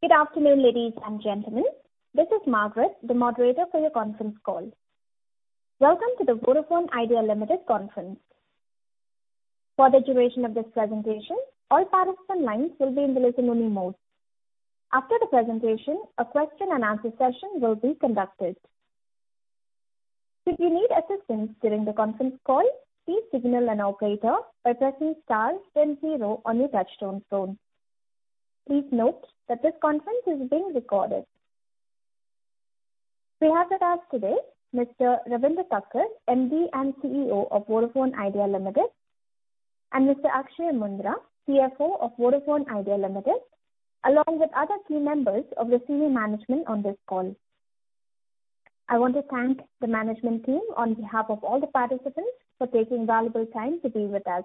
Good afternoon, ladies and gentlemen. This is Margaret, the moderator for your conference call. Welcome to the Vodafone Idea Limited Conference. For the duration of this presentation, all participant lines will be in listen-only mode. After the presentation, a question-and-answer session will be conducted. If you need assistance during the conference call, please signal an operator by pressing star then zero on your touchtone phone. Please note that this conference is being recorded. We have with us today Mr. Ravinder Takkar, MD and CEO of Vodafone Idea Limited, and Mr. Akshaya Moondra, CFO of Vodafone Idea Limited, along with other key members of the senior management on this call. I want to thank the management team on behalf of all the participants for taking valuable time to be with us.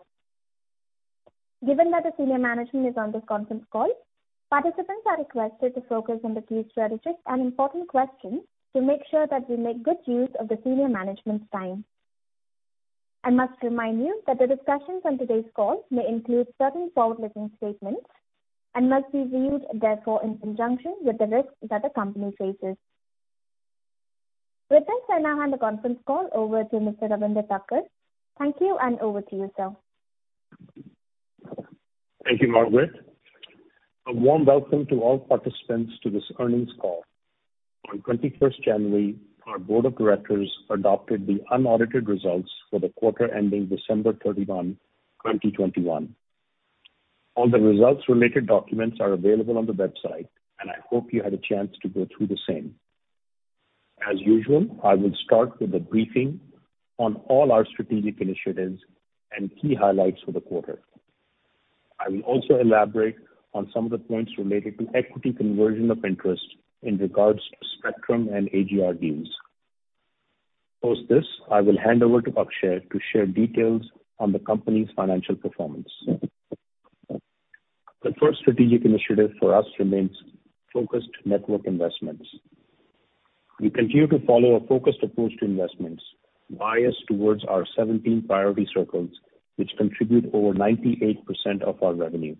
Given that the senior management is on this conference call, participants are requested to focus on the key strategies and important questions to make sure that we make good use of the senior management's time. I must remind you that the discussions on today's call may include certain forward-looking statements and must be viewed therefore in conjunction with the risks that the company faces. With this, I now hand the conference call over to Mr. Ravinder Takkar. Thank you, and over to you, sir. Thank you, Margaret. A warm welcome to all participants to this earnings call. On 21st January, our board of directors adopted the unaudited results for the quarter ending December 31, 2021. All the results-related documents are available on the website, and I hope you had a chance to go through the same. As usual, I will start with a briefing on all our strategic initiatives and key highlights for the quarter. I will also elaborate on some of the points related to equity conversion of interest in regards to spectrum and AGR deals. Post this, I will hand over to Akshaya to share details on the company's financial performance. The first strategic initiative for us remains focused network investments. We continue to follow a focused approach to investments biased towards our 17 priority circles, which contribute over 98% of our revenue.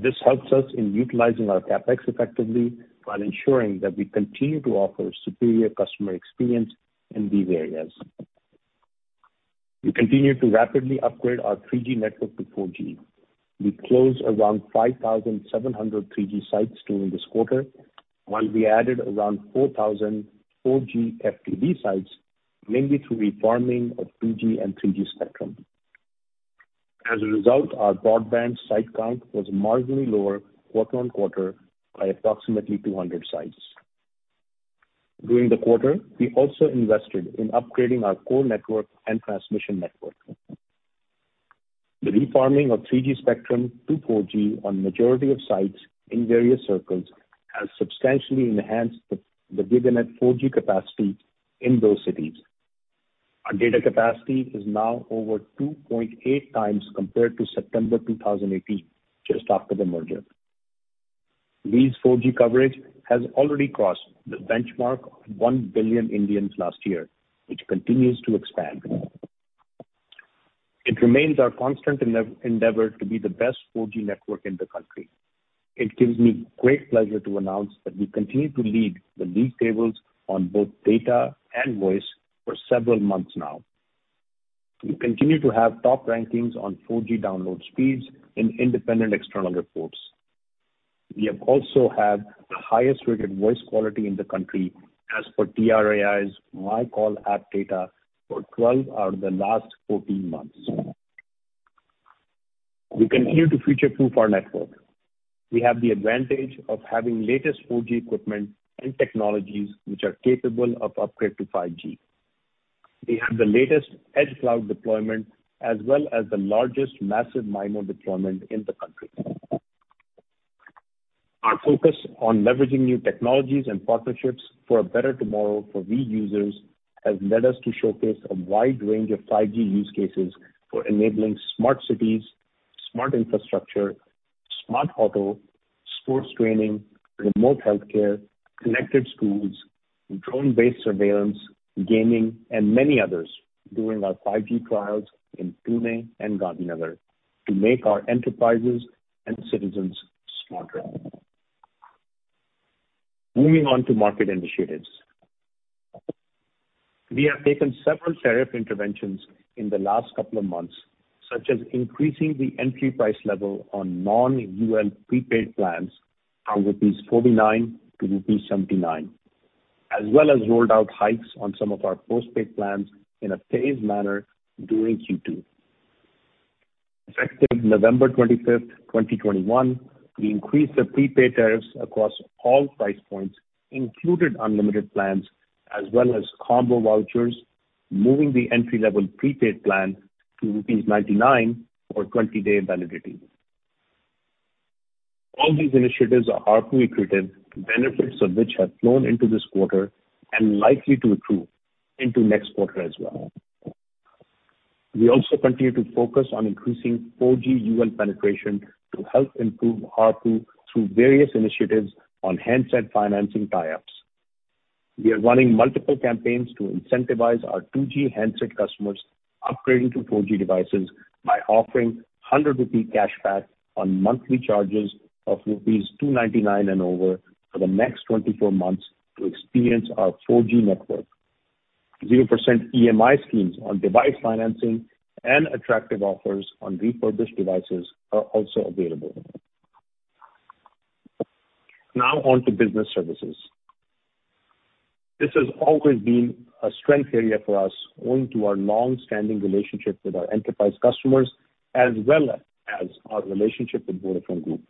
This helps us in utilizing our CapEx effectively while ensuring that we continue to offer superior customer experience in these areas. We continue to rapidly upgrade our 3G network to 4G. We closed around 5,700 3G sites during this quarter, while we added around 4,000 4G FDD sites, mainly through reforming of 2G and 3G spectrum. As a result, our broadband site count was marginally lower quarter-over-quarter by approximately 200 sites. During the quarter, we also invested in upgrading our core network and transmission network. The reforming of 3G spectrum to 4G on majority of sites in various circles has substantially enhanced the given net 4G capacity in those cities. Our data capacity is now over 2.8x compared to September 2018, just after the merger. Vi's 4G coverage has already crossed the benchmark of 1 billion Indians last year, which continues to expand. It remains our constant endeavor to be the best 4G network in the country. It gives me great pleasure to announce that we continue to lead the league tables on both data and voice for several months now. We continue to have top rankings on 4G download speeds in independent external reports. We have also had the highest-rated voice quality in the country as per TRAI's MyCALL app data for 12 out of the last 14 months. We continue to future-proof our network. We have the advantage of having latest 4G equipment and technologies which are capable of upgrade to 5G. We have the latest edge cloud deployment as well as the largest massive MIMO deployment in the country. Our focus on leveraging new technologies and partnerships for a better tomorrow for Vi users has led us to showcase a wide range of 5G use cases for enabling smart cities, smart infrastructure, smart auto, sports training, remote healthcare, connected schools, drone-based surveillance, gaming, and many others during our 5G trials in Pune and Gandhinagar to make our enterprises and citizens smarter. Moving on to market initiatives. We have taken several tariff interventions in the last couple of months, such as increasing the entry price level on non-UL prepaid plans from 49-79 rupees, as well as rolled out hikes on some of our postpaid plans in a phased manner during Q2. Effective November 25th, 2021, we increased the prepaid tariffs across all price points, including unlimited plans as well as combo vouchers, moving the entry-level prepaid plan to rupees 99 for 20-day validity. All these initiatives are ARPU accretive, benefits of which have flown into this quarter and likely to accrue into next quarter as well. We also continue to focus on increasing 4G UL penetration to help improve ARPU through various initiatives on handset financing tie-ups. We are running multiple campaigns to incentivize our 2G handset customers upgrading to 4G devices by offering 100 rupee cashback on monthly charges of rupees 299 and over for the next 24 months to experience our 4G network. 0% EMI schemes on device financing and attractive offers on refurbished devices are also available. Now on to business services. This has always been a strength area for us owing to our long-standing relationship with our enterprise customers, as well as our relationship with Vodafone Group.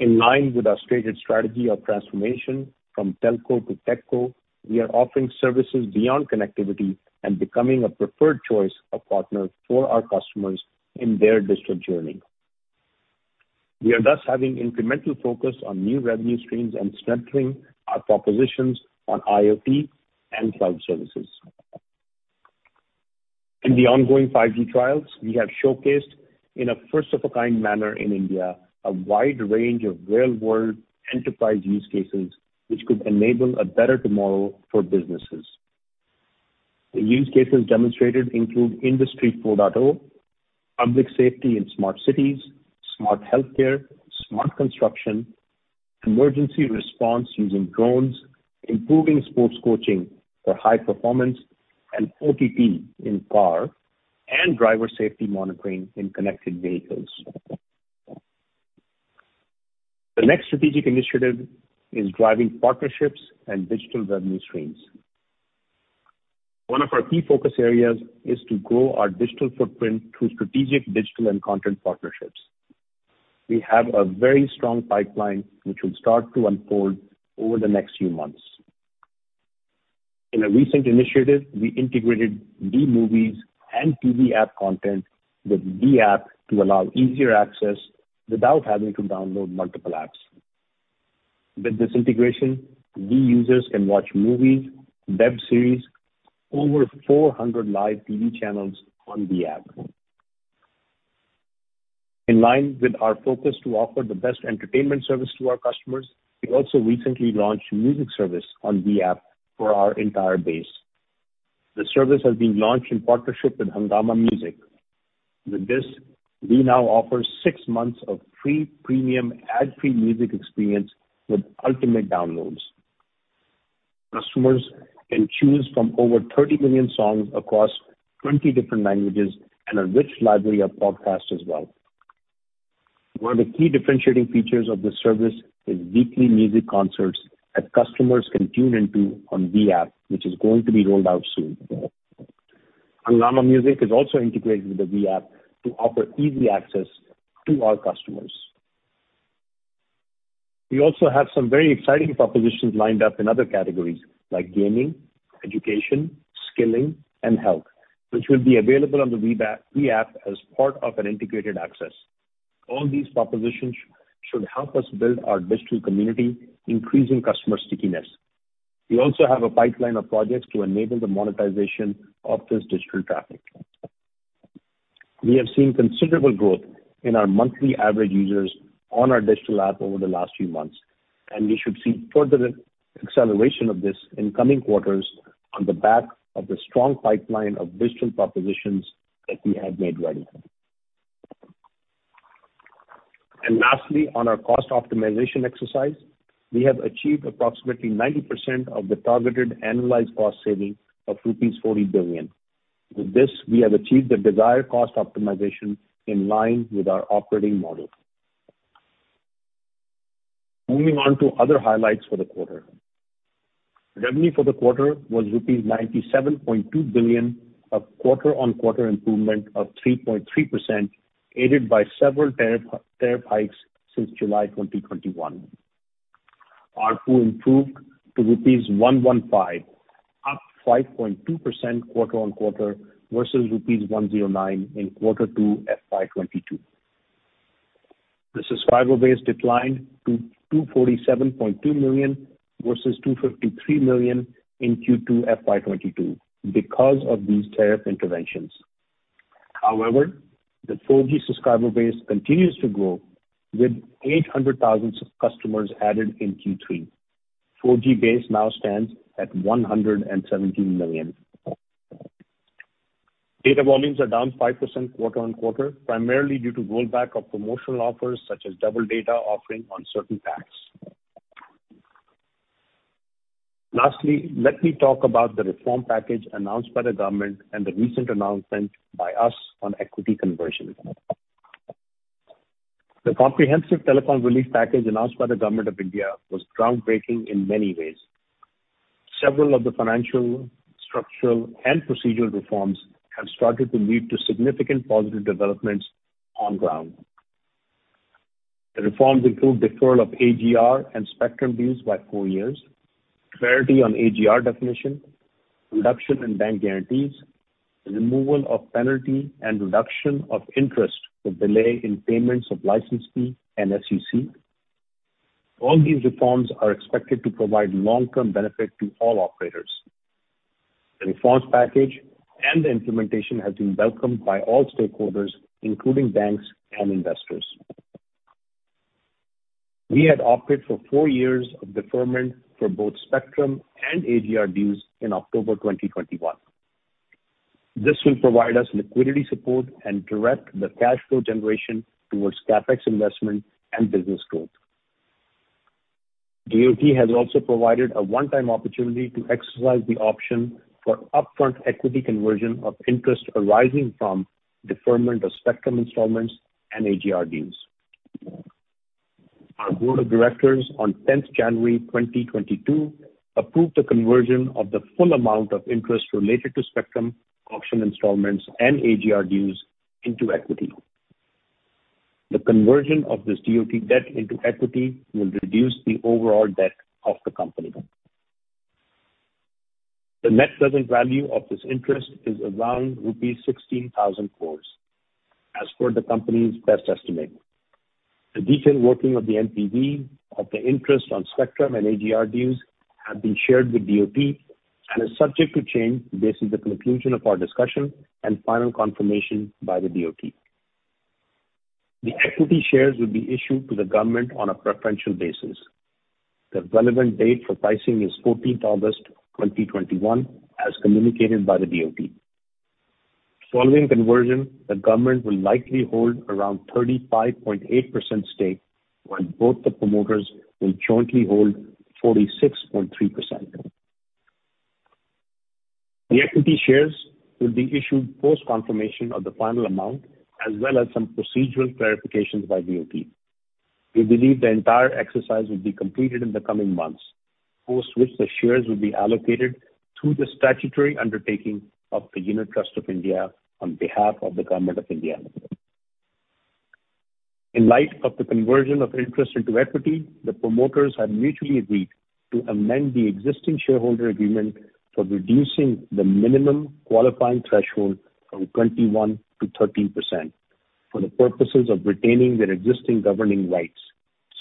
In line with our stated strategy of transformation from telco to tech co, we are offering services beyond connectivity and becoming a preferred choice of partner for our customers in their digital journey. We are thus having incremental focus on new revenue streams and strengthening our propositions on IoT and cloud services. In the ongoing 5G trials, we have showcased, in a first of a kind manner in India, a wide range of real-world enterprise use cases which could enable a better tomorrow for businesses. The use cases demonstrated include Industry 4.0, public safety in smart cities, smart healthcare, smart construction, emergency response using drones, improving sports coaching for high performance, and OTT in car, and driver safety monitoring in connected vehicles. The next strategic initiative is driving partnerships and digital revenue streams. One of our key focus areas is to grow our digital footprint through strategic digital and content partnerships. We have a very strong pipeline which will start to unfold over the next few months. In a recent initiative, we integrated Vi Movies & TV app content with Vi App to allow easier access without having to download multiple apps. With this integration, Vi users can watch movies, web series, over 400 live TV channels on Vi App. In line with our focus to offer the best entertainment service to our customers, we also recently launched music service on Vi App for our entire base. The service has been launched in partnership with Hungama Music. With this, we now offer six months of free premium ad-free music experience with ultimate downloads. Customers can choose from over 30 million songs across 20 different languages and a rich library of podcasts as well. One of the key differentiating features of this service is weekly music concerts that customers can tune into on Vi App, which is going to be rolled out soon. Hungama Music is also integrated with the Vi App to offer easy access to our customers. We also have some very exciting propositions lined up in other categories like gaming, education, skilling, and health, which will be available on the Vi App as part of an integrated access. All these propositions should help us build our digital community, increasing customer stickiness. We also have a pipeline of projects to enable the monetization of this digital traffic. We have seen considerable growth in our monthly average users on our digital app over the last few months, and we should see further acceleration of this in coming quarters on the back of the strong pipeline of digital propositions that we have made ready. Lastly, on our cost optimization exercise, we have achieved approximately 90% of the targeted annualized cost saving of rupees 40 billion. With this, we have achieved the desired cost optimization in line with our operating model. Moving on to other highlights for the quarter. Revenue for the quarter was rupees 97.2 billion, a quarter-on-quarter improvement of 3.3%, aided by several tariff hikes since July 2021. ARPU improved to rupees 115, up 5.2% quarter-over-quarter versus rupees 109 in Q2 FY 2022. The subscriber base declined to 247.2 million, versus 253 million in Q2 FY 2022 because of these tariff interventions. However, the 4G subscriber base continues to grow, with 800,000 customers added in Q3. 4G base now stands at 117 million. Data volumes are down 5% quarter-on-quarter, primarily due to rollback of promotional offers such as double data offering on certain packs. Lastly, let me talk about the reform package announced by the government and the recent announcement by us on equity conversion. The comprehensive telecom relief package announced by the Government of India was groundbreaking in many ways. Several of the financial, structural, and procedural reforms have started to lead to significant positive developments on ground. The reforms include deferral of AGR and spectrum dues by four years, clarity on AGR definition, reduction in bank guarantees, removal of penalty and reduction of interest for delay in payments of license fee and SUC. All these reforms are expected to provide long-term benefit to all operators. The reforms package and the implementation has been welcomed by all stakeholders, including banks and investors. We had opted for four years of deferment for both spectrum and AGR dues in October 2021. This will provide us liquidity support and direct the cash flow generation towards CapEx investment and business growth. DoT has also provided a one-time opportunity to exercise the option for upfront equity conversion of interest arising from deferment of spectrum installments and AGR dues. Our board of directors on 10 January 2022 approved the conversion of the full amount of interest related to spectrum auction installments and AGR dues into equity. The conversion of this DoT debt into equity will reduce the overall debt of the company. The net present value of this interest is around rupees 16,000 crore as per the company's best estimate. The detailed working of the NPV of the interest on spectrum and AGR dues have been shared with DoT and is subject to change based on the conclusion of our discussion and final confirmation by the DoT. The equity shares will be issued to the government on a preferential basis. The relevant date for pricing is 14th August 2021, as communicated by the DoT. Following conversion, the government will likely hold around 35.8% stake, while both the promoters will jointly hold 46.3%. The equity shares will be issued post-confirmation of the final amount, as well as some procedural clarifications by DoT. We believe the entire exercise will be completed in the coming months, post which the shares will be allocated through the statutory undertaking of the Unit Trust of India on behalf of the Government of India. In light of the conversion of interest into equity, the promoters have mutually agreed to amend the existing shareholder agreement for reducing the minimum qualifying threshold from 21%-13% for the purposes of retaining their existing governing rights,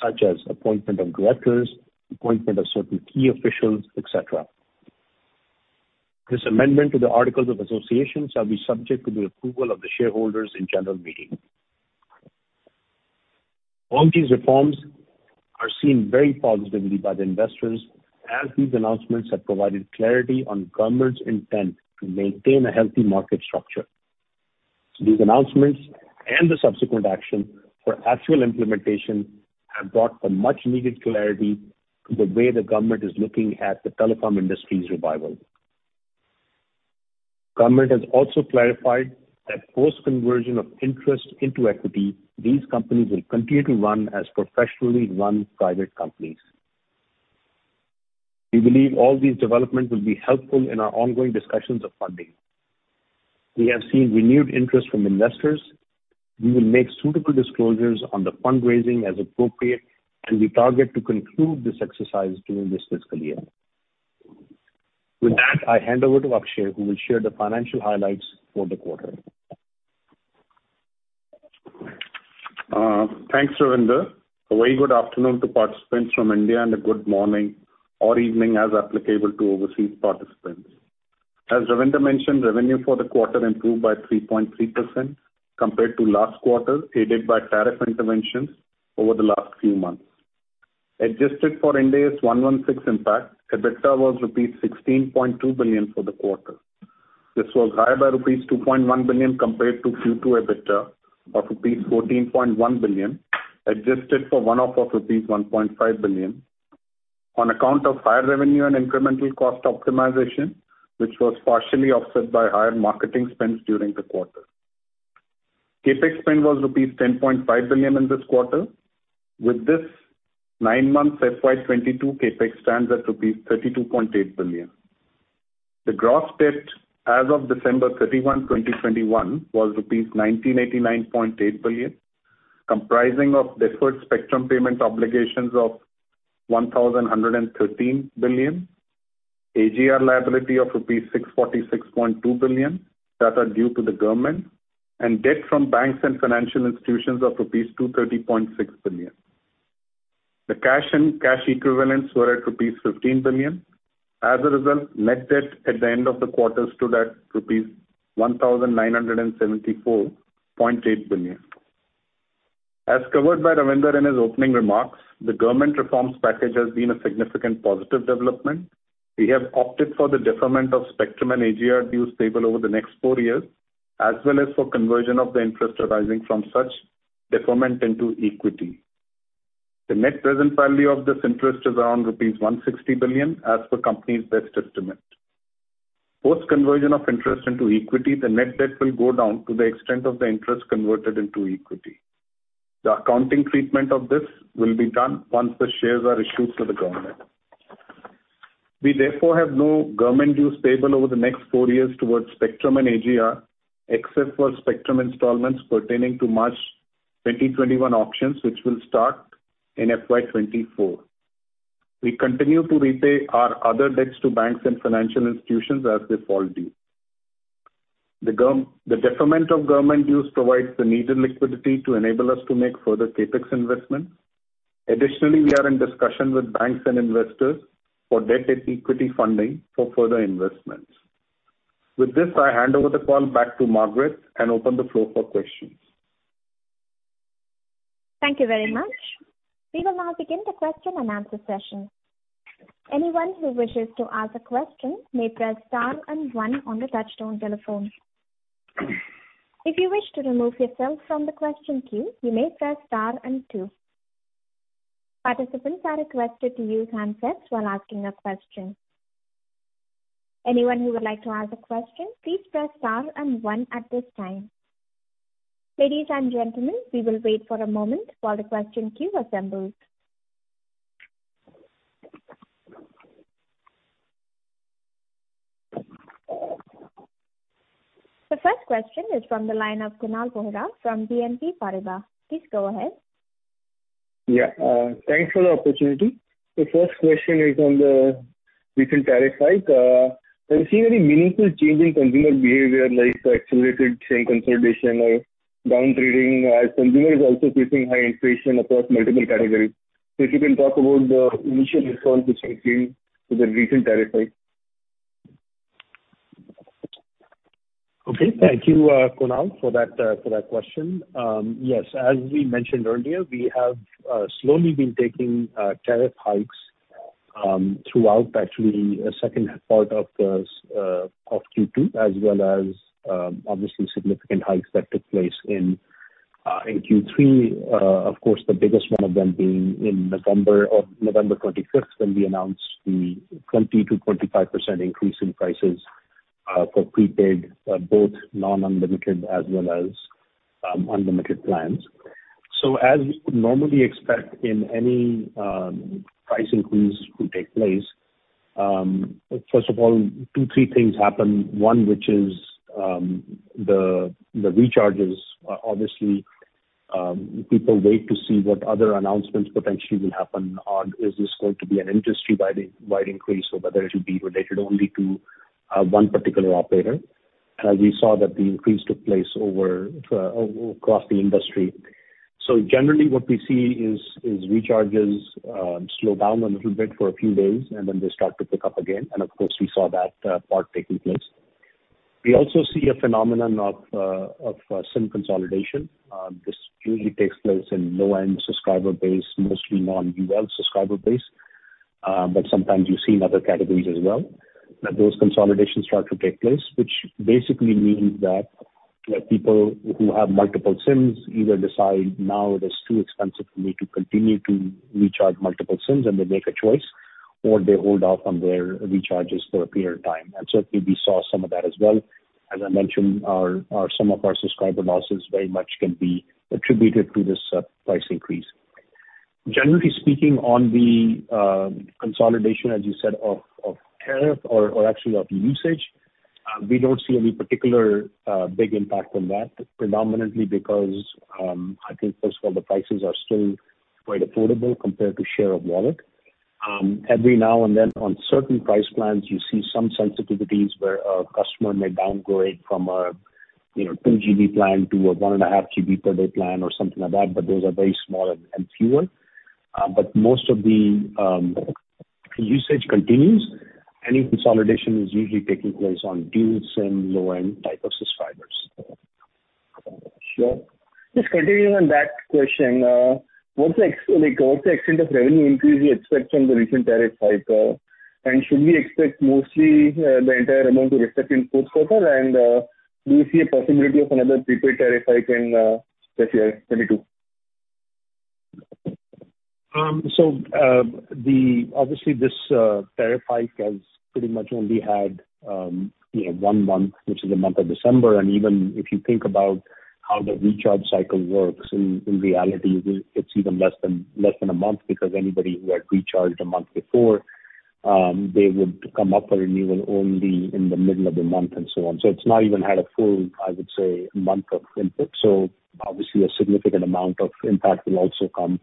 such as appointment of directors, appointment of certain key officials, et cetera. This amendment to the articles of association shall be subject to the approval of the shareholders in general meeting. All these reforms are seen very positively by the investors, as these announcements have provided clarity on government's intent to maintain a healthy market structure. These announcements and the subsequent action for actual implementation have brought a much-needed clarity to the way the government is looking at the telecom industry's revival. Government has also clarified that post-conversion of interest into equity, these companies will continue to run as professionally run private companies. We believe all these developments will be helpful in our ongoing discussions of funding. We have seen renewed interest from investors. We will make suitable disclosures on the fundraising as appropriate, and we target to conclude this exercise during this fiscal year. With that, I hand over to Akshaya, who will share the financial highlights for the quarter. Thanks, Ravinder. A very good afternoon to participants from India and a good morning or evening as applicable to overseas participants. As Ravinder mentioned, revenue for the quarter improved by 3.3% compared to last quarter, aided by tariff interventions over the last few months. Adjusted for India AS 116 impact, EBITDA was rupees 16.2 billion for the quarter. This was higher by rupees 2.1 billion compared to Q2 EBITDA of rupees 14.1 billion, adjusted for one-off of rupees 1.5 billion on account of higher revenue and incremental cost optimization, which was partially offset by higher marketing spends during the quarter. CapEx spend was rupees 10.5 billion in this quarter. With this, nine months FY 2022 CapEx stands at rupees 32.8 billion. The gross debt as of December 31, 2021 was rupees 1,989.8 billion, comprising of deferred spectrum payment obligations of 1,113 billion, AGR liability of rupees 646.2 billion that are due to the Government, and debt from banks and financial institutions of rupees 230.6 billion. The cash and cash equivalents were at rupees 15 billion. As a result, net debt at the end of the quarter stood at rupees 1,974.8 billion. As covered by Ravinder in his opening remarks, the Government reforms package has been a significant positive development. We have opted for the deferment of spectrum and AGR dues payable over the next four years, as well as for conversion of the interest arising from such deferment into equity. The net present value of this interest is around rupees 160 billion, as per company's best estimate. Post-conversion of interest into equity, the net debt will go down to the extent of the interest converted into equity. The accounting treatment of this will be done once the shares are issued to the government. We therefore have no government dues payable over the next four years towards spectrum and AGR, except for spectrum installments pertaining to March 2021 auctions, which will start in FY 2024. We continue to repay our other debts to banks and financial institutions as they fall due. The deferment of government dues provides the needed liquidity to enable us to make further CapEx investments. Additionally, we are in discussion with banks and investors for debt and equity funding for further investments. With this, I hand over the call back to Margaret and open the floor for questions. Thank you very much. We will now begin the question and answer session. Anyone who wishes to ask a question may press star and one on the touchtone telephone. If you wish to remove yourself from the question queue, you may press star and two. Participants are requested to use handsets while asking a question. Anyone who would like to ask a question, please press star and one at this time. Ladies and gentlemen, we will wait for a moment while the question queue assembles. The first question is from the line of Kunal Vora from BNP Paribas. Please go ahead. Thanks for the opportunity. The first question is on the recent tariff hike. Have you seen any meaningful change in consumer behavior, like accelerated SIM consolidation or down trading as consumers are also facing high inflation across multiple categories? If you can talk about the initial response which you've seen to the recent tariff hike. Okay. Thank you, Kunal, for that question. Yes, as we mentioned earlier, we have slowly been taking tariff hikes throughout actually the second part of Q2, as well as obviously significant hikes that took place in Q3. Of course, the biggest one of them being in November, on November 25th, when we announced the 20%-25% increase in prices for prepaid, both non-unlimited as well as unlimited plans. As you would normally expect in any price increase to take place, first of all, two, three things happen. One, which is the recharges. Obviously, people wait to see what other announcements potentially will happen. Is this going to be an industry-wide increase or whether it will be related only to one particular operator. As we saw, the increase took place across the industry. Generally, what we see is recharges slow down a little bit for a few days, and then they start to pick up again. Of course, we saw that part taking place. We also see a phenomenon of SIM consolidation. This usually takes place in low-end subscriber base, mostly non-UL subscriber base. Sometimes you see in other categories as well, that those consolidations start to take place, which basically means that, people who have multiple SIMs either decide now it is too expensive for me to continue to recharge multiple SIMs and they make a choice, or they hold off on their recharges for a period of time. Certainly we saw some of that as well. As I mentioned, some of our subscriber losses very much can be attributed to this, price increase. Generally speaking, on the consolidation, as you said, of tariff or actually of usage, we don't see any particular big impact on that, predominantly because I think first of all the prices are still quite affordable compared to share of wallet. Every now and then on certain price plans, you see some sensitivities where a customer may downgrade from a, you know, 2 GB plan to a 1.5 GB per day plan or something like that, but those are very small and fewer. Most of the usage continues. Any consolidation is usually taking place on dual SIM low-end type of subscribers. Sure. Just continuing on that question, what's the extent of revenue increase you expect from the recent tariff hike? Should we expect mostly the entire amount to reflect in fourth quarter? Do you see a possibility of another prepaid tariff hike in this year, 2022? Obviously, this tariff hike has pretty much only had, you know, one month, which is the month of December. Even if you think about how the recharge cycle works, in reality, it's even less than a month because anybody who had recharged a month before, they would come up for renewal only in the middle of the month and so on. It's not even had a full, I would say, month of input. Obviously a significant amount of impact will also come,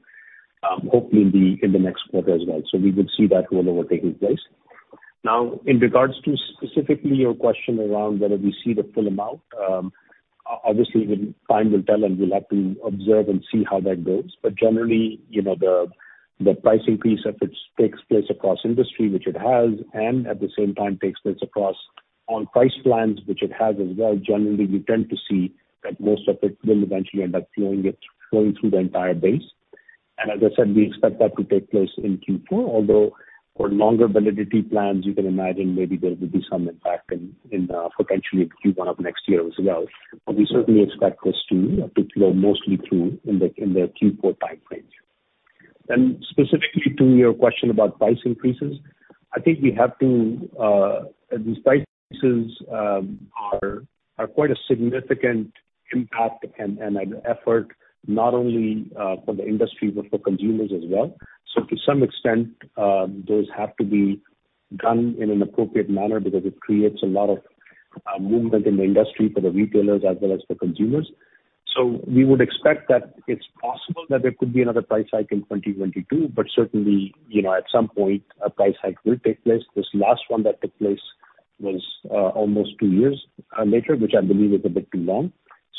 hopefully in the next quarter as well. We would see that roll over taking place. Now, in regards to specifically your question around whether we see the full amount, obviously, time will tell, and we'll have to observe and see how that goes. Generally, you know, the price increase, if it takes place across industry, which it has, and at the same time takes place across all price plans, which it has as well, generally you tend to see that most of it will eventually end up flowing through the entire base. As I said, we expect that to take place in Q4. Although for longer validity plans, you can imagine maybe there will be some impact potentially in Q1 of next year as well. We certainly expect this to flow mostly through in the Q4 time frame. Specifically to your question about price increases, I think these prices are quite a significant impact and an effort not only for the industry, but for consumers as well. To some extent, those have to be done in an appropriate manner because it creates a lot of movement in the industry for the retailers as well as for consumers. We would expect that it's possible that there could be another price hike in 2022. Certainly, you know, at some point, a price hike will take place. This last one that took place was almost two years later, which I believe is a bit too long.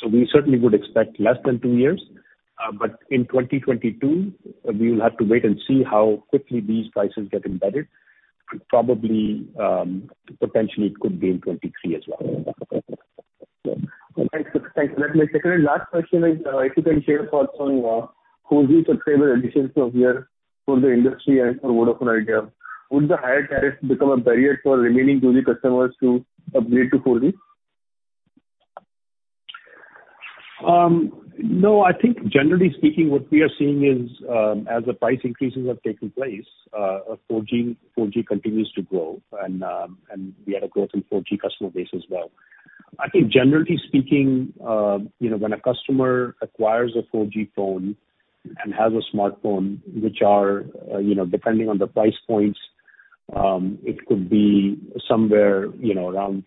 We certainly would expect less than two years. In 2022, we will have to wait and see how quickly these prices get embedded. Probably, potentially it could be in 2023 as well. Thanks. My second and last question is, if you can share thoughts on, 4G subscriber additions from here for the industry and for Vodafone Idea. Would the higher tariffs become a barrier for remaining 2G customers to upgrade to 4G? No. I think generally speaking, what we are seeing is, as the price increases have taken place, 4G continues to grow and we had a growth in 4G customer base as well. I think generally speaking, you know, when a customer acquires a 4G phone and has a smartphone, which are, you know, depending on the price points, it could be somewhere, you know, around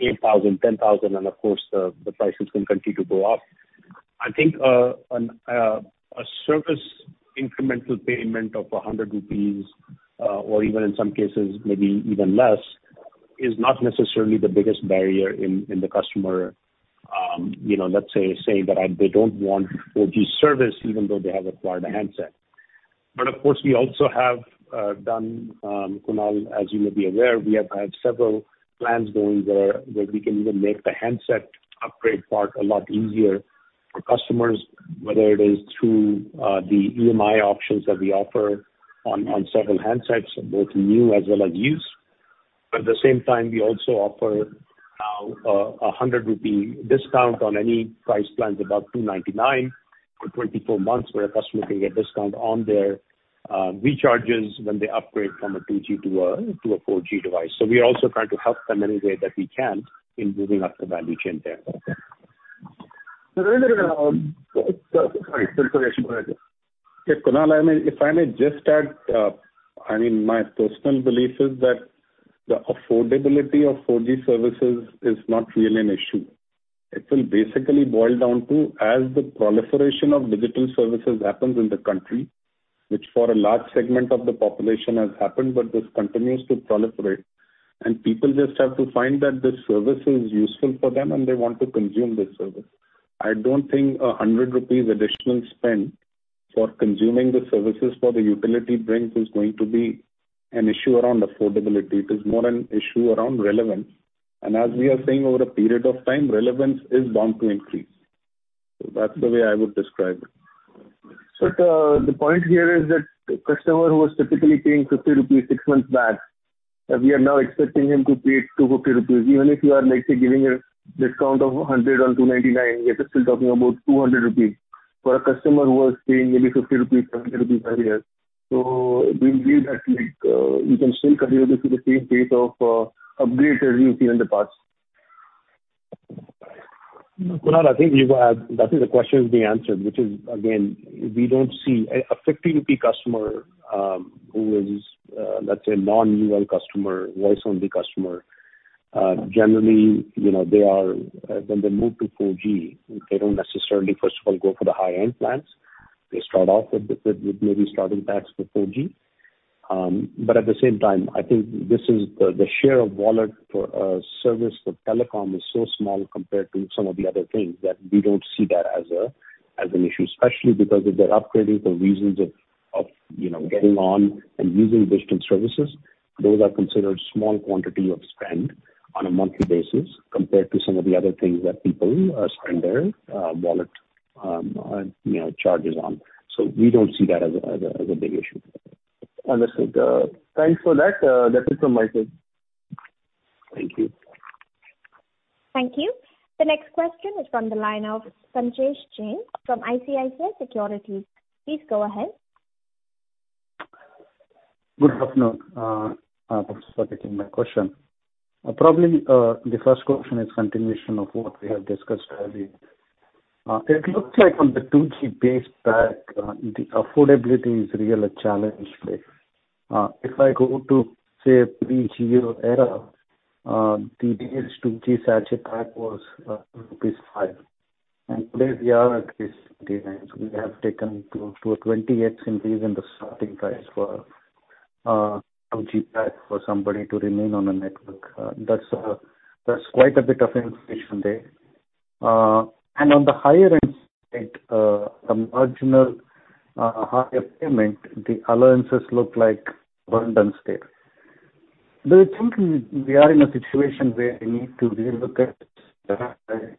8,000, 10,000 and of course, the prices can continue to go up. I think a service incremental payment of 100 rupees or even in some cases, maybe even less, is not necessarily the biggest barrier in the customer. You know, let's say that they don't want 4G service even though they have acquired a handset. Of course, we also have done, Kunal, as you may be aware, we have had several plans going where we can even make the handset upgrade part a lot easier for customers, whether it is through the EMI options that we offer on several handsets, both new as well as used. At the same time, we also offer now 100 rupee discount on any price plans above 299 for 24 months, where a customer can get discount on their recharges when they upgrade from a 2G to a 4G device. We are also trying to help them any way that we can in moving up the value chain there. Sorry. Go ahead, sir. Yeah, Kunal, I mean, if I may just add, I mean, my personal belief is that the affordability of 4G services is not really an issue. It will basically boil down to as the proliferation of digital services happens in the country, which for a large segment of the population has happened, but this continues to proliferate, and people just have to find that this service is useful for them and they want to consume this service. I don't think 100 rupees additional spend for consuming the services for the utility brings is going to be an issue around affordability. It is more an issue around relevance. As we are saying, over a period of time, relevance is bound to increase. That's the way I would describe it. The point here is that a customer who was typically paying 50 rupees six months back, we are now expecting him to pay 250 rupees. Even if you are, let's say, giving a discount of 100 on 299, we are still talking about 200 rupees for a customer who was paying maybe 50 rupees, 100 rupees earlier. Do you believe that, like, you can still continue this at the same pace of upgrades that you've seen in the past? Kunal, I think the question has been answered, which is again, we don't see a 50 customer who is, let's say, non-UL customer, voice-only customer, generally, you know, they are when they move to 4G, they don't necessarily, first of all, go for the high-end plans. They start off with maybe starting packs for 4G. But at the same time, I think this is the share of wallet for a service for telecom is so small compared to some of the other things that we don't see that as an issue. Especially because if they're upgrading for reasons of you know getting on and using digital services, those are considered small quantity of spend on a monthly basis compared to some of the other things that people spend their wallet you know charges on. We don't see that as a big issue. Understood. Thanks for that. That's it from my side. Thank you. Thank you. The next question is from the line of Sanjesh Jain from ICICI Securities. Please go ahead. Good afternoon. Thanks for taking my question. Probably, the first question is continuation of what we have discussed earlier. It looks like on the 2G base pack, the affordability is really a challenge there. If I go to, say, pre-Jio era, the base 2G Sachet pack was rupees 5. Today we are at this rupees 299. We have taken to a 20x increase in the starting price for 2G pack for somebody to remain on a network. That's quite a bit of inflation there. On the higher end state, the marginal higher payment, the allowances look like abundance there. Do you think we are in a situation where we need to relook at?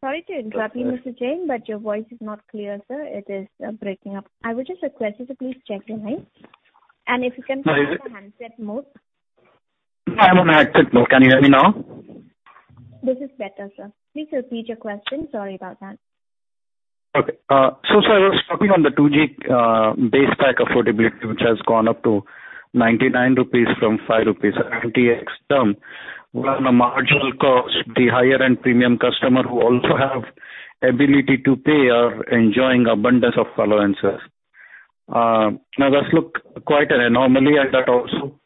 Sorry to interrupt you, Mr. Jain, but your voice is not clear, sir. It is breaking up. I would just request you to please check your line and if you can put it on handset mode. I'm on handset mode. Can you hear me now? This is better, sir. Please repeat your question. Sorry about that. Okay, sir, I was talking on the 2G base pack affordability, which has gone up to 99 rupees from 5 rupees, an annuity term, where on a marginal cost, the higher end premium customer who also have ability to pay are enjoying abundance of allowances. Now, that looks quite an anomaly, and that also.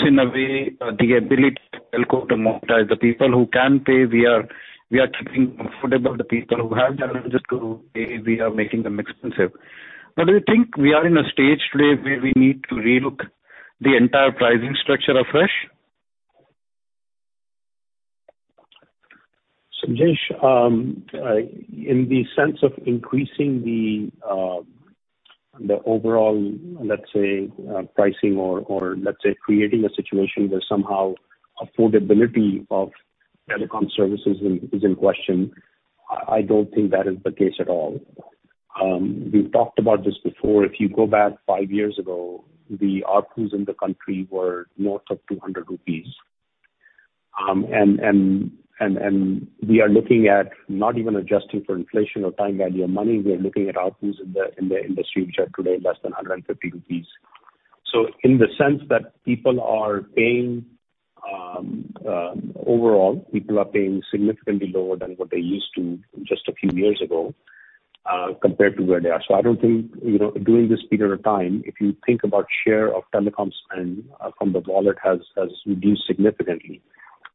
In a way, the ability of telco to monetize the people who can pay, we are keeping affordable. The people who have challenges to pay, we are making them expensive. Do you think we are in a stage today where we need to relook the entire pricing structure afresh? Sanjesh, in the sense of increasing the overall, let's say, pricing or let's say, creating a situation where somehow affordability of telecom services is in question, I don't think that is the case at all. We've talked about this before. If you go back five years ago, the ARPUs in the country were north of 200 rupees. We are looking at, not even adjusting for inflation or time value of money, ARPUs in the industry which are today less than 150 rupees. In the sense that people are paying overall significantly lower than what they used to just a few years ago, compared to where they are. I don't think, you know, during this period of time, if you think about share of telecoms and from the wallet has reduced significantly.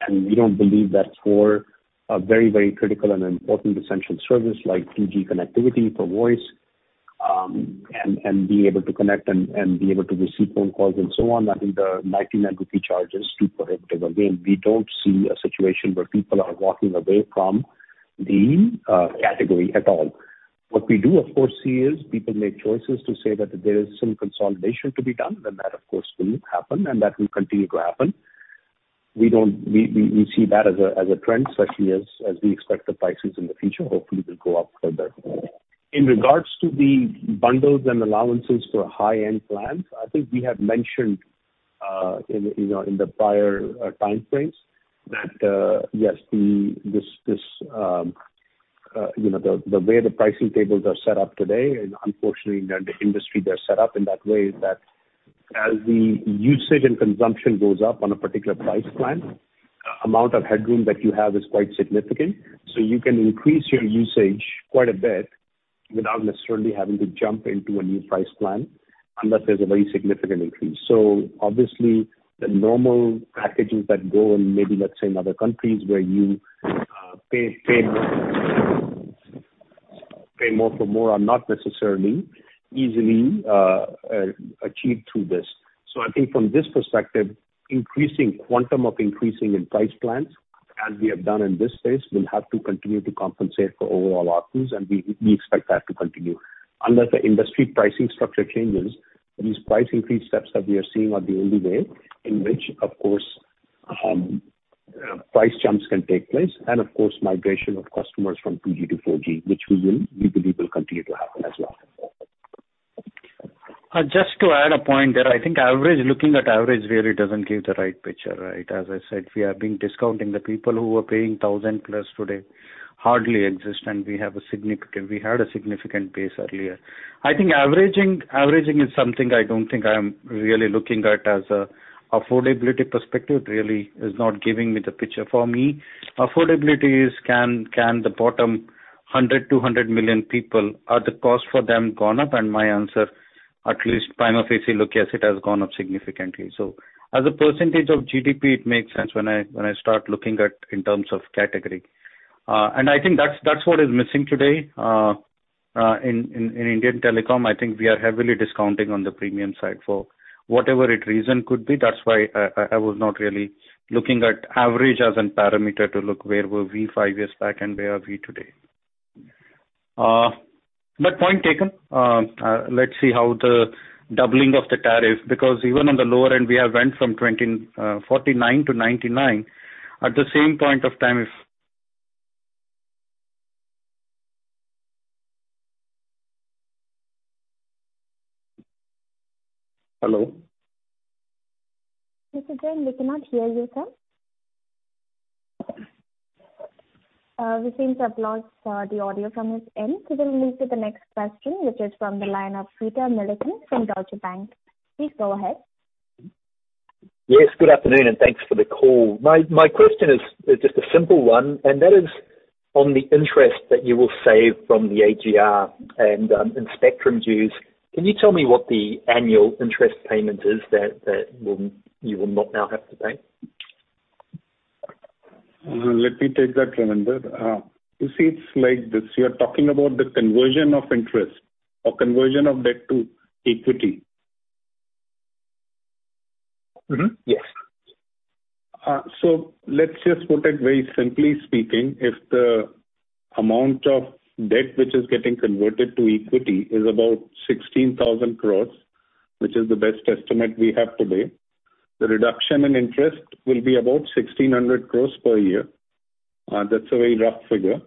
We don't believe that for a very, very critical and important essential service like 2G connectivity for voice and being able to connect and be able to receive phone calls and so on, I think the 99 rupee charge is too prohibitive. Again, we don't see a situation where people are walking away from the category at all. What we do of course see is people make choices to say that there is some consolidation to be done, then that of course will happen and that will continue to happen. We see that as a trend, especially as we expect the prices in the future hopefully will go up further. In regards to the bundles and allowances for high-end plans, I think we have mentioned in, you know, in the prior time frames that yes, this you know the way the pricing tables are set up today, and unfortunately in the industry they're set up in that way, is that as the usage and consumption goes up on a particular price plan, amount of headroom that you have is quite significant. You can increase your usage quite a bit without necessarily having to jump into a new price plan, unless there's a very significant increase. Obviously the normal packages that go in, maybe let's say in other countries where you pay more for more are not necessarily easily achieved through this. I think from this perspective, increasing quantum of increasing in price plans, as we have done in this case, will have to continue to compensate for overall ARPUs, and we expect that to continue. Unless the industry pricing structure changes, these price increase steps that we are seeing are the only way in which, of course, price jumps can take place and of course, migration of customers from 2G to 4G, which we believe will continue to happen as well. Just to add a point there. I think average, looking at average really doesn't give the right picture, right? As I said, we have been discounting the people who are paying 1,000+ today hardly exist, and we have a significant base earlier. I think averaging is something I don't think I am really looking at as a affordability perspective. It really is not giving me the picture. For me, affordability is can the bottom 100, 200 million people, are the cost for them gone up? My answer at least prima facie look, yes, it has gone up significantly. As a percentage of GDP, it makes sense when I start looking at in terms of category. I think that's what is missing today in Indian telecom. I think we are heavily discounting on the premium side for whatever the reason could be. That's why I was not really looking at average as a parameter to look where were we five years back and where are we today. Point taken. Let's see how the doubling of the tariff, because even on the lower end we have went from 49-99. At the same point of time if. Hello? Mr. Jain, we cannot hear you, sir. We seem to have lost the audio from his end, so we'll move to the next question, which is from the line of Peter Milliken from Deutsche Bank. Please go ahead. Yes, good afternoon, and thanks for the call. My question is just a simple one, and that is on the interest that you will save from the AGR and spectrum dues. Can you tell me what the annual interest payment is that you will not now have to pay? Let me take that, Clement. You see it's like this. You are talking about the conversion of interest or conversion of debt to equity. Mm-hmm. Yes. Let's just put it very simply speaking, if the amount of debt which is getting converted to equity is about 16,000 crores, which is the best estimate we have today, the reduction in interest will be about 1,600 crores per year. That's a very rough figure.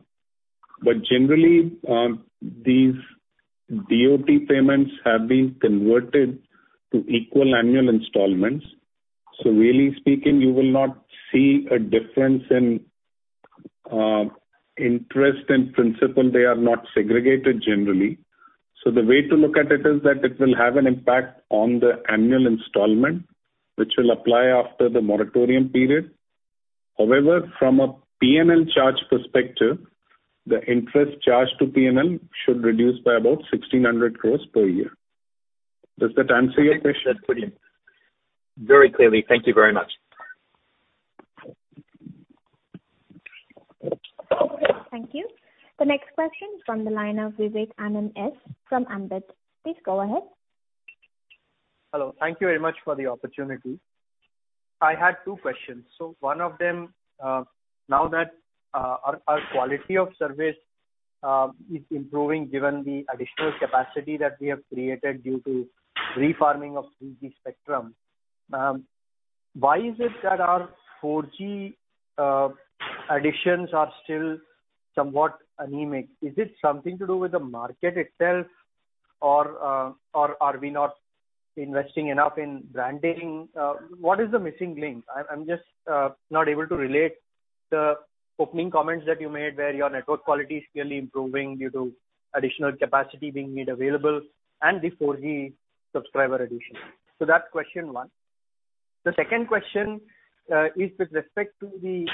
Generally, these DoT payments have been converted to equal annual installments. Really speaking, you will not see a difference in interest and principal. They are not segregated generally. The way to look at it is that it will have an impact on the annual installment, which will apply after the moratorium period. However, from a PNL charge perspective, the interest charged to PNL should reduce by about 1,600 crores per year. Does that answer your question? Very clearly. Thank you very much. Okay, thank you. The next question from the line of Vivekanand S. from Ambit. Please go ahead. Hello. Thank you very much for the opportunity. I had two questions. One of them, now that our quality of service is improving, given the additional capacity that we have created due to refarming of 3G spectrum, why is it that our 4G additions are still somewhat anemic? Is it something to do with the market itself or are we not investing enough in branding? What is the missing link? I'm just not able to relate the opening comments that you made where your network quality is clearly improving due to additional capacity being made available and the 4G subscriber addition. That's question one. The second question is with respect to the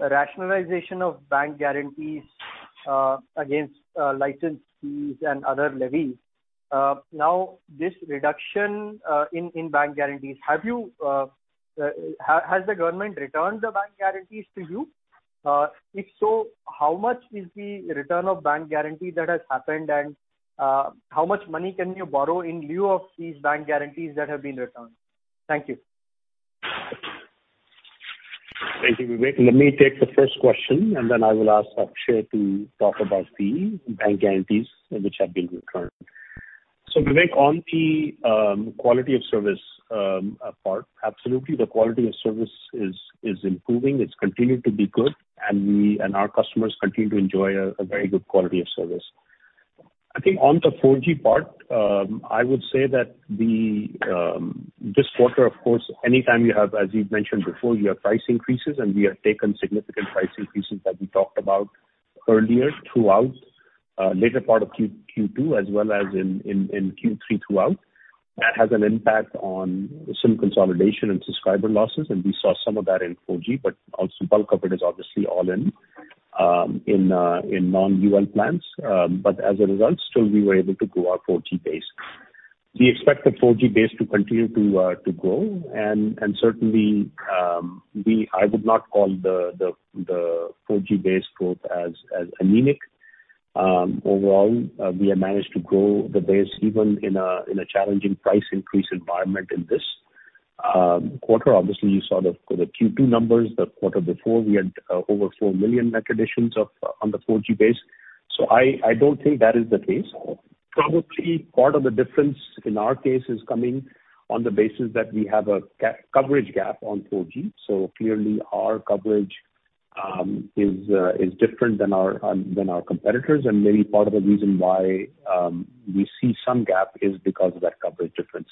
rationalization of bank guarantees against license fees and other levies. Now this reduction in bank guarantees, has the government returned the bank guarantees to you? If so, how much is the return of bank guarantee that has happened, and how much money can you borrow in lieu of these bank guarantees that have been returned? Thank you. Thank you, Vivek. Let me take the first question, and then I will ask Akshaya to talk about the bank guarantees which have been returned. Vivek, on the quality of service part, absolutely. The quality of service is improving. It's continued to be good, and we and our customers continue to enjoy a very good quality of service. I think on the 4G part, I would say that this quarter, of course, anytime you have, as you've mentioned before, you have price increases, and we have taken significant price increases that we talked about earlier throughout later part of Q2 as well as in Q3 throughout. That has an impact on SIM consolidation and subscriber losses, and we saw some of that in 4G, but also bulk of it is obviously all in non-UL plans. As a result, still we were able to grow our 4G base. We expect the 4G base to continue to grow and certainly. I would not call the 4G base growth as anemic. Overall, we have managed to grow the base even in a challenging price increase environment in this quarter. Obviously, you saw the Q2 numbers. The quarter before we had over 4 million net additions on the 4G base. I don't think that is the case. Probably part of the difference in our case is coming on the basis that we have a coverage gap on 4G. Clearly our coverage is different than our competitors. Maybe part of the reason why we see some gap is because of that coverage difference,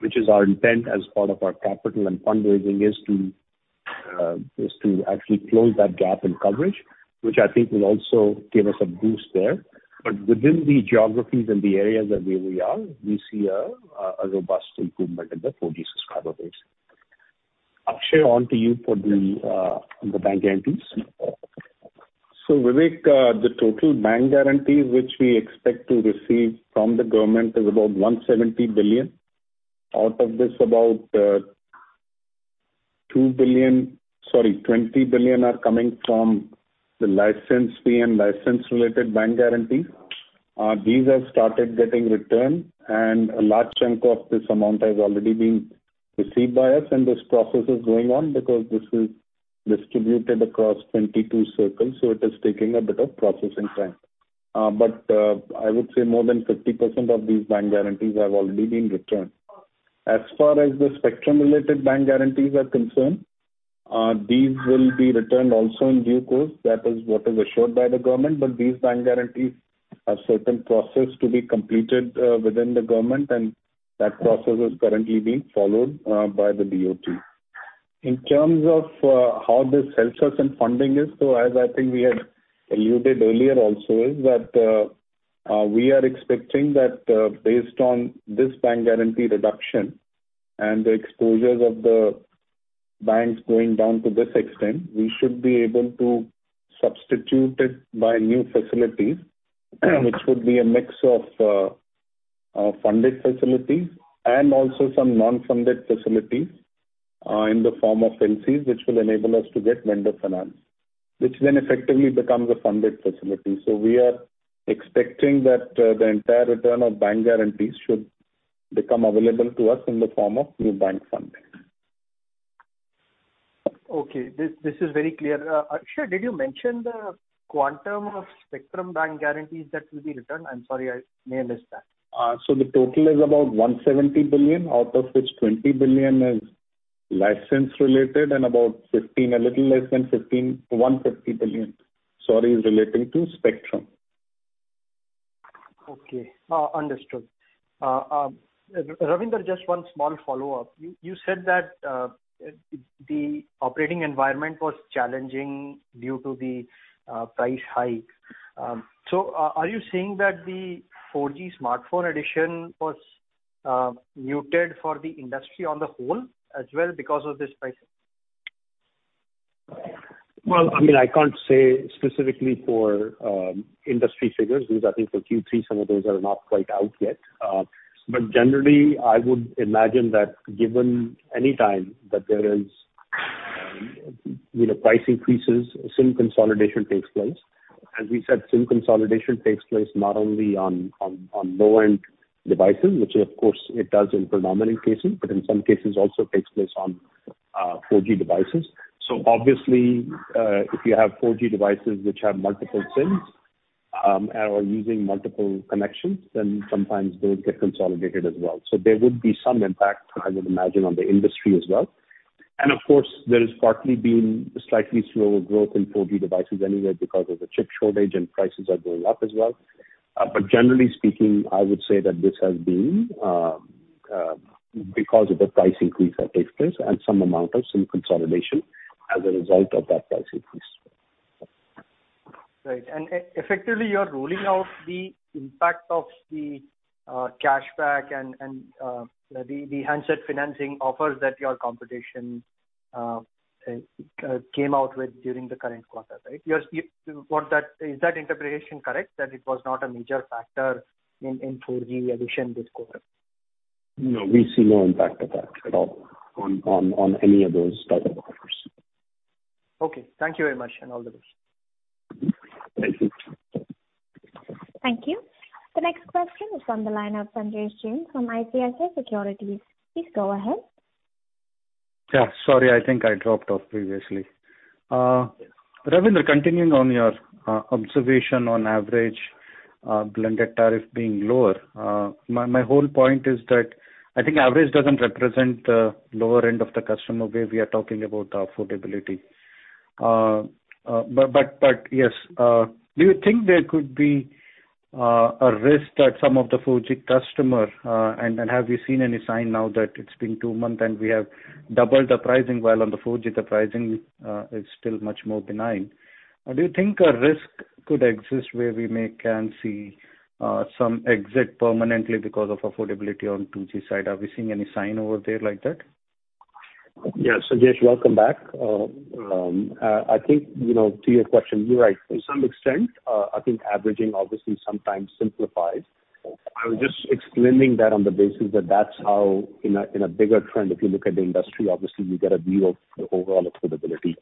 which is our intent as part of our capital and fundraising is to actually close that gap in coverage, which I think will also give us a boost there. Within the geographies and the areas that we are, we see a robust improvement in the 4G subscriber base. Akshaya, on to you for the bank guarantees. Vivek, the total bank guarantee which we expect to receive from the government is about 170 billion. Out of this, about 2 billion. Sorry, 20 billion are coming from the license fee and license-related bank guarantees. These have started getting returned, and a large chunk of this amount has already been received by us, and this process is going on because this is distributed across 22 circles, so it is taking a bit of processing time. I would say more than 50% of these bank guarantees have already been returned. As far as the spectrum-related bank guarantees are concerned, these will be returned also in due course. That is what is assured by the government. These bank guarantees have certain process to be completed within the government, and that process is currently being followed by the DoT. In terms of how this helps us in funding this, as I think we had alluded earlier also is that we are expecting that based on this bank guarantee reduction and the exposures of the banks going down to this extent, we should be able to substitute it by new facilities, which would be a mix of funded facilities and also some non-funded facilities in the form of LCs, which will enable us to get lender finance, which then effectively becomes a funded facility. We are expecting that the entire return of bank guarantees should become available to us in the form of new bank funding. Okay. This is very clear. Akshaya, did you mention the quantum of spectrum bank guarantees that will be returned? I'm sorry, I may have missed that. The total is about 170 billion, out of which 20 billion is license related and 150 billion is relating to spectrum. Okay. Understood. Ravinder, just one small follow-up. You said that the operating environment was challenging due to the price hike. So are you saying that the 4G smartphone addition was Muted for the industry on the whole as well because of this pricing? Well, I mean, I can't say specifically for industry figures. These are things for Q3, some of those are not quite out yet. Generally, I would imagine that given any time that there is you know, price increases, SIM consolidation takes place. As we said, SIM consolidation takes place not only on low-end devices, which of course it does in predominant cases, but in some cases also takes place on 4G devices. Obviously, if you have 4G devices which have multiple SIMs and are using multiple connections, then sometimes those get consolidated as well. There would be some impact, I would imagine, on the industry as well. Of course, there has partly been slightly slower growth in 4G devices anyway because of the chip shortage and prices are going up as well. Generally speaking, I would say that this has been because of the price increase that takes place and some amount of SIM consolidation as a result of that price increase. Right. Effectively, you are ruling out the impact of the cashback and the handset financing offers that your competition came out with during the current quarter, right? Is that interpretation correct, that it was not a major factor in 4G addition this quarter? No, we see no impact of that at all on any of those type of offers. Okay. Thank you very much, and all the best. Thank you. Thank you. The next question is on the line of Sanjesh Jain from ICICI Securities. Please go ahead. Yeah, sorry, I think I dropped off previously. Ravinder, continuing on your observation on average blended tariff being lower, my whole point is that I think average doesn't represent the lower end of the customer where we are talking about affordability. But yes, do you think there could be a risk that some of the 4G customer and have you seen any sign now that it's been two months and we have doubled the pricing while on the 4G the pricing is still much more benign? Or do you think a risk could exist where we may see some exit permanently because of affordability on 2G side? Are we seeing any sign over there like that? Yeah, Sanjesh, welcome back. I think, you know, to your question, you're right. To some extent, I think averaging obviously sometimes simplifies. I was just explaining that on the basis that that's how in a bigger trend, if you look at the industry, obviously you get a view of the overall affordability.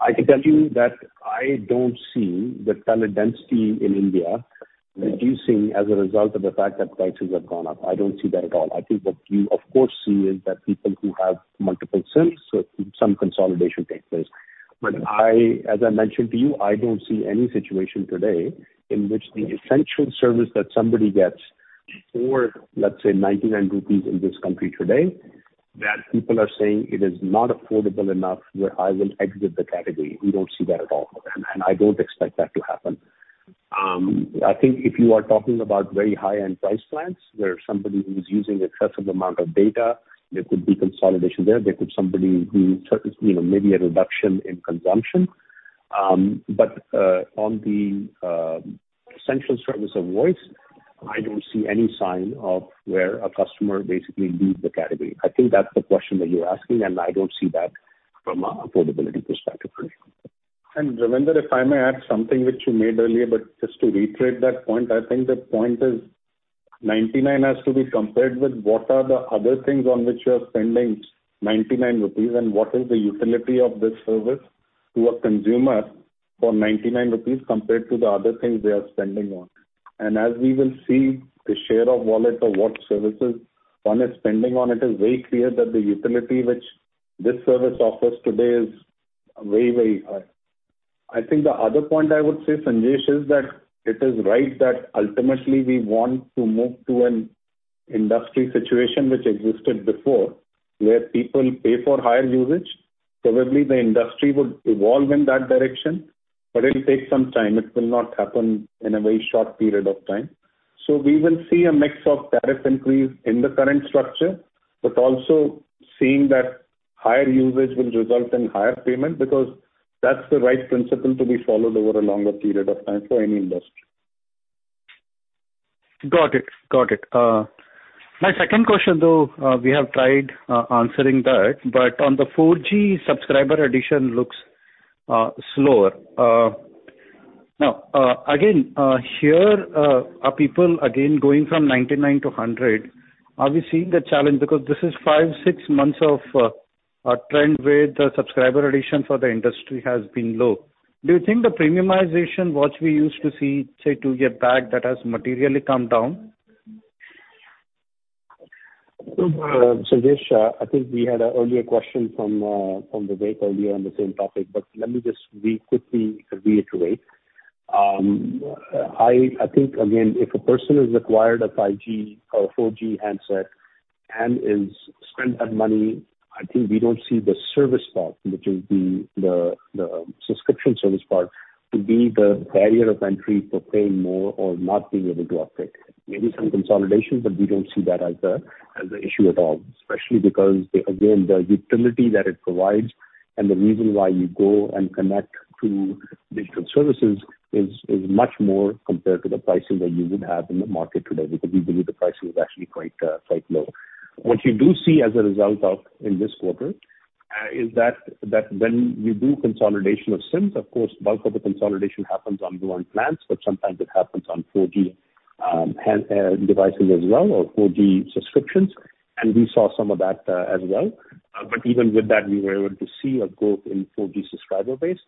I can tell you that I don't see the telecom density in India reducing as a result of the fact that prices have gone up. I don't see that at all. I think what you of course see is that people who have multiple SIMs, so some consolidation takes place. I, as I mentioned to you, I don't see any situation today in which the essential service that somebody gets for, let's say, 99 rupees in this country today, that people are saying it is not affordable enough where I will exit the category. We don't see that at all, I don't expect that to happen. I think if you are talking about very high-end price plans, where somebody who is using excessive amount of data, there could be consolidation there. There could be, you know, maybe a reduction in consumption. On the essential service of voice, I don't see any sign of where a customer basically leaves the category. I think that's the question that you're asking, and I don't see that from an affordability perspective. Ravinder, if I may add something which you made earlier, but just to reiterate that point, I think the point is 99 has to be compared with what are the other things on which you are spending 99 rupees and what is the utility of this service to a consumer for 99 rupees compared to the other things they are spending on. As we will see the share of wallet or what services one is spending on, it is very clear that the utility which this service offers today is very, very high. I think the other point I would say, Sanjesh, is that it is right that ultimately we want to move to an industry situation which existed before, where people pay for higher usage. Probably the industry would evolve in that direction, but it'll take some time. It will not happen in a very short period of time. We will see a mix of tariff increase in the current structure, but also seeing that higher usage will result in higher payment because that's the right principle to be followed over a longer period of time for any industry. Got it. My second question though, we have tried answering that, but on the 4G subscriber addition looks now, again, here, are people again going from 99-100? Are we seeing the challenge? Because this is five, six months of a trend where the subscriber addition for the industry has been low. Do you think the premiumization what we used to see, say, two year back, that has materially come down? Sanjesh, I think we had an earlier question from Vivek earlier on the same topic, but let me just quickly reiterate. I think again, if a person has acquired a 5G or a 4G handset and has spent that money, I think we don't see the service part, which is the subscription service part, to be the barrier of entry for paying more or not being able to upgrade. Maybe some consolidation, but we don't see that as the issue at all, especially because, again, the utility that it provides and the reason why you go and connect to digital services is much more compared to the pricing that you would have in the market today, because we believe the pricing is actually quite low. What you do see as a result of in this quarter is that when we do consolidation of SIMs, of course, bulk of the consolidation happens on plans, but sometimes it happens on 4G handsets as well, or 4G subscriptions. We saw some of that as well. Even with that, we were able to see a growth in 4G subscriber base.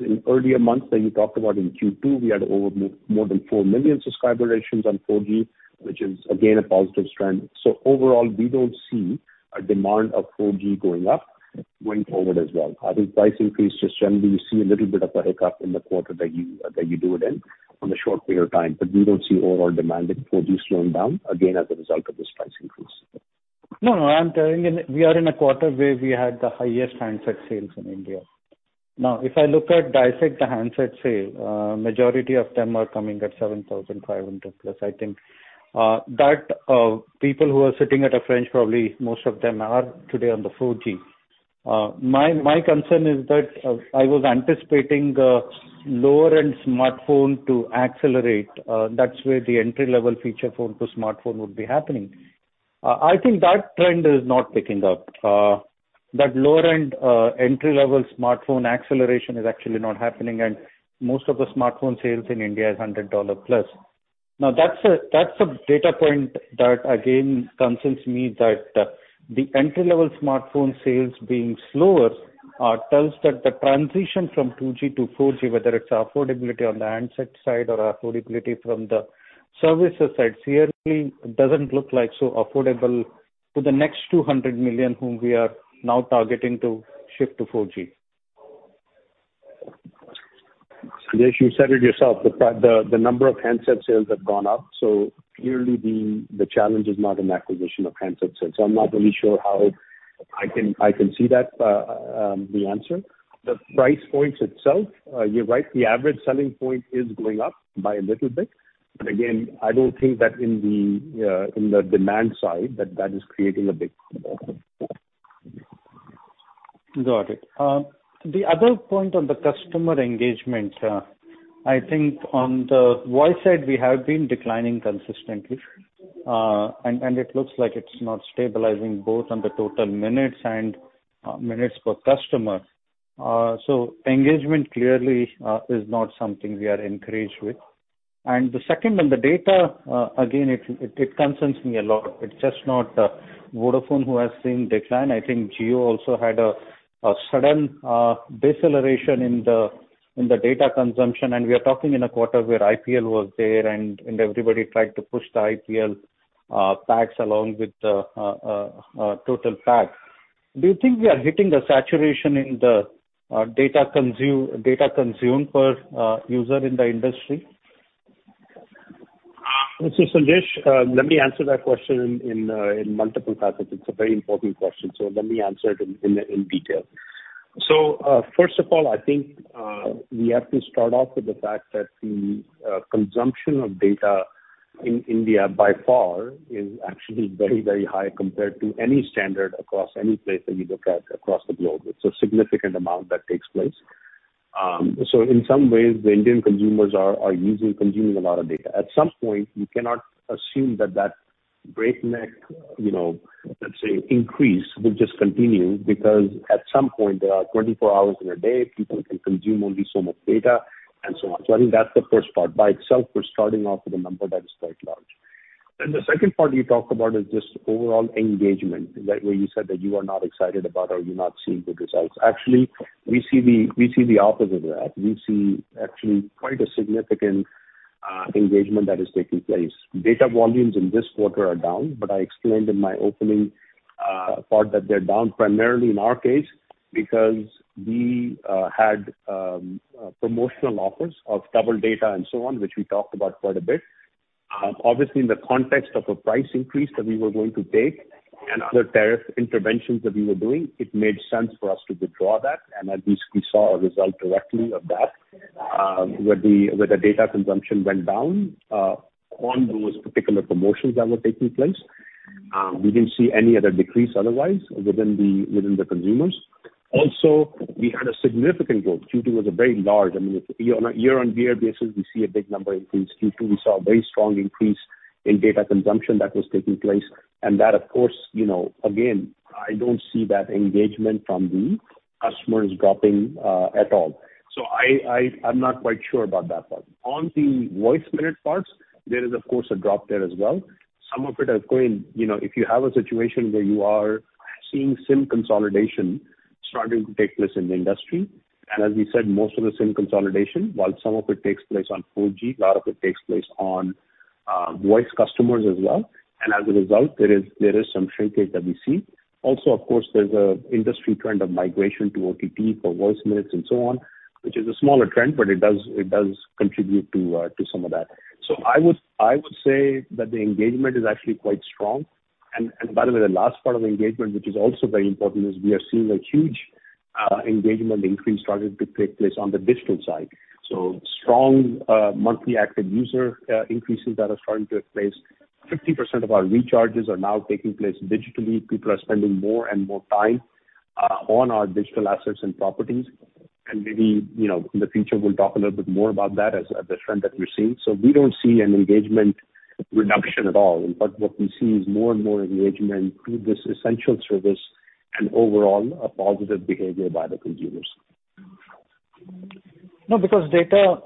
In earlier months that you talked about in Q2, we had over more than 4 million subscriber additions on 4G, which is again a positive trend. Overall, we don't see a demand for 4G going up going forward as well. As the price increase just generally, you see a little bit of a hiccup in the quarter that you do it in on a short period of time. We don't see overall demand in 4G slowing down again as a result of this price increase. No, no, I'm telling you, we are in a quarter where we had the highest handset sales in India. Now, if I look at dissect the handset sale, majority of them are coming at 7,500+. I think that people who are sitting at a fringe, probably most of them are today on the 4G. My concern is that I was anticipating lower-end smartphone to accelerate. That's where the entry-level feature phone to smartphone would be happening. I think that trend is not picking up. That lower end entry-level smartphone acceleration is actually not happening, and most of the smartphone sales in India is $100+. Now, that's a data point that again concerns me that the entry-level smartphone sales being slower tells that the transition from 2G to 4G, whether it's affordability on the handset side or affordability from the services side, clearly doesn't look like so affordable to the next 200 million whom we are now targeting to shift to 4G. Sanjesh, you said it yourself, the number of handset sales have gone up, so clearly the challenge is not in acquisition of handset sales. I'm not really sure how I can see that, the answer. The price points itself, you're right, the average selling point is going up by a little bit. Again, I don't think that in the demand side that is creating a big Got it. The other point on the customer engagement, I think on the voice side, we have been declining consistently. It looks like it's not stabilizing both on the total minutes and minutes per customer. Engagement clearly is not something we are encouraged with. The second, on the data, again, it concerns me a lot. It's just not Vodafone who has seen decline. I think Jio also had a sudden deceleration in the data consumption, and we are talking in a quarter where IPL was there and everybody tried to push the IPL packs along with total packs. Do you think we are hitting the saturation in the data consumed per user in the industry? Sanjesh, let me answer that question in multiple parts. It's a very important question, so let me answer it in detail. First of all, I think we have to start off with the fact that the consumption of data in India by far is actually very, very high compared to any standard across any place that you look at across the globe. It's a significant amount that takes place. In some ways, the Indian consumers are using, consuming a lot of data. At some point, you cannot assume that breakneck, you know, let's say, increase will just continue, because at some point there are 24 hours in a day, people can consume only so much data, and so on. I think that's the first part. By itself, we're starting off with a number that is quite large. Then the second part you talk about is just overall engagement. That, where you said that you are not excited about or you're not seeing good results. Actually, we see the opposite of that. We see actually quite a significant engagement that is taking place. Data volumes in this quarter are down, but I explained in my opening part that they're down primarily in our case because we had promotional offers of double data and so on, which we talked about quite a bit. Obviously in the context of a price increase that we were going to take and other tariff interventions that we were doing, it made sense for us to withdraw that. At least we saw a result directly of that, where the data consumption went down on those particular promotions that were taking place. We didn't see any other decrease otherwise within the consumers. Also, we had a significant growth. Q2 was a very large, I mean, year on year basis, we see a big number increase. Q2, we saw a very strong increase in data consumption that was taking place. That, of course, you know, again, I don't see that engagement from the customers dropping at all. I'm not quite sure about that part. On the voice minute parts, there is of course a drop there as well. Some of it is going, you know, if you have a situation where you are seeing SIM consolidation starting to take place in the industry, and as we said, most of the SIM consolidation, while some of it takes place on 4G, a lot of it takes place on voice customers as well. As a result, there is some shrinkage that we see. Also, of course, there's an industry trend of migration to OTT for voice minutes and so on, which is a smaller trend, but it does contribute to some of that. I would say that the engagement is actually quite strong. By the way, the last part of engagement, which is also very important, is we are seeing a huge engagement increase starting to take place on the digital side. Strong monthly active user increases that are starting to take place. 50% of our recharges are now taking place digitally. People are spending more and more time on our digital assets and properties. Maybe, you know, in the future, we'll talk a little bit more about that as a trend that we're seeing. We don't see an engagement reduction at all. In fact, what we see is more and more engagement through this essential service and overall a positive behavior by the consumers. No, because data,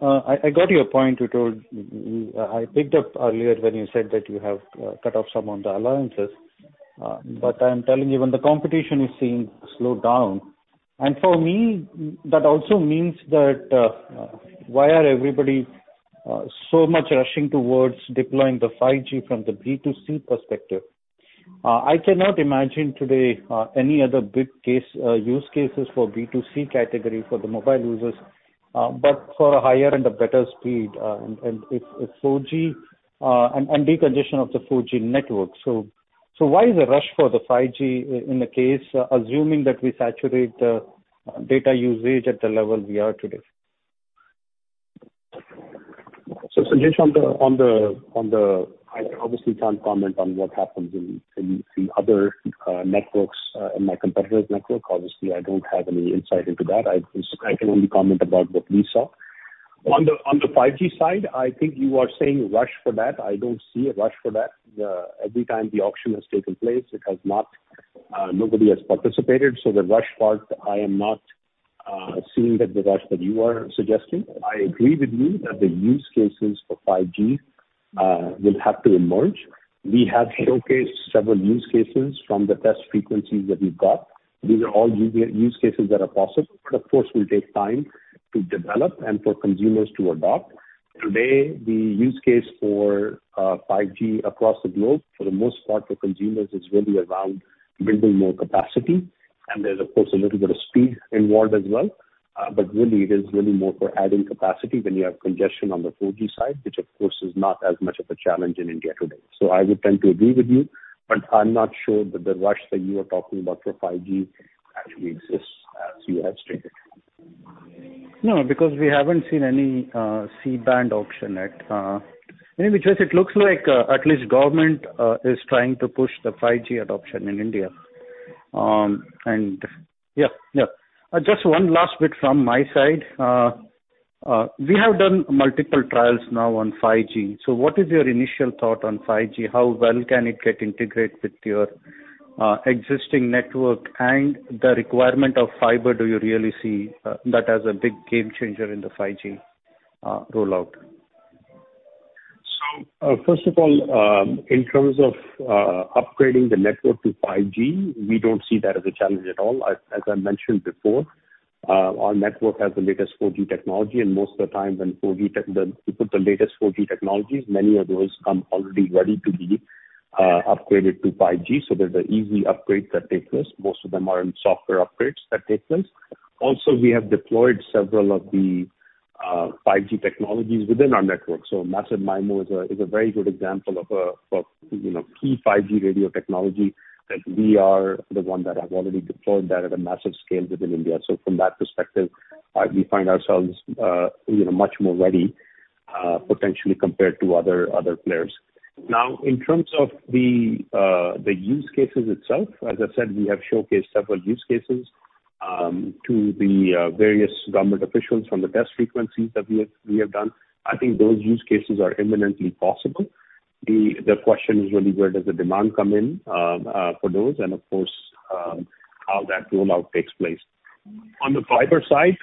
I got your point. I picked up earlier when you said that you have cut down on the allowances. But I'm telling you when the competition is seeing slowdown, and for me, that also means that why are everybody so much rushing towards deploying the 5G from the B2C perspective. I cannot imagine today any other big use cases for B2C category for the mobile users but for a higher and a better speed, and decongestion of the 4G network. Why the rush for the 5G in the case, assuming that we saturate the data usage at the level we are today? Sanjesh, on the I obviously can't comment on what happens in other networks in my competitor's network. Obviously, I don't have any insight into that. I can only comment about what we saw. On the 5G side, I think you are saying rush for that. I don't see a rush for that. Every time the auction has taken place, it has not, nobody has participated. The rush part, I am not seeing the rush that you are suggesting. I agree with you that the use cases for 5G will have to emerge. We have showcased several use cases from the test frequencies that we've got. These are all use cases that are possible, but of course will take time to develop and for consumers to adopt. Today, the use case for 5G across the globe for the most part for consumers is really around building more capacity. There's of course a little bit of speed involved as well. Really it is really more for adding capacity when you have congestion on the 4G side, which of course is not as much of a challenge in India today. I would tend to agree with you, but I'm not sure that the rush that you are talking about for 5G actually exists as you have stated. No, because we haven't seen any C-band auction at. In any case, it looks like at least government is trying to push the 5G adoption in India. Yeah, yeah. Just one last bit from my side. We have done multiple trials now on 5G. So what is your initial thought on 5G? How well can it get integrate with your existing network? And the requirement of fiber, do you really see that as a big game changer in the 5G rollout? First of all, in terms of upgrading the network to 5G, we don't see that as a challenge at all. As I mentioned before, our network has the latest 4G technology, and most of the time when we put the latest 4G technologies, many of those come already ready to be upgraded to 5G. There's an easy upgrade that takes place. Most of them are in software upgrades that take place. Also, we have deployed several of the 5G technologies within our network. Massive MIMO is a very good example of, you know, key 5G radio technology that we are the one that have already deployed that at a massive scale within India. From that perspective, we find ourselves, you know, much more ready potentially compared to other players. Now, in terms of the use cases itself, as I said, we have showcased several use cases to the various government officials from the test frequencies that we have done. I think those use cases are eminently possible. The question is really where does the demand come in for those and of course how that rollout takes place. On the fiber side,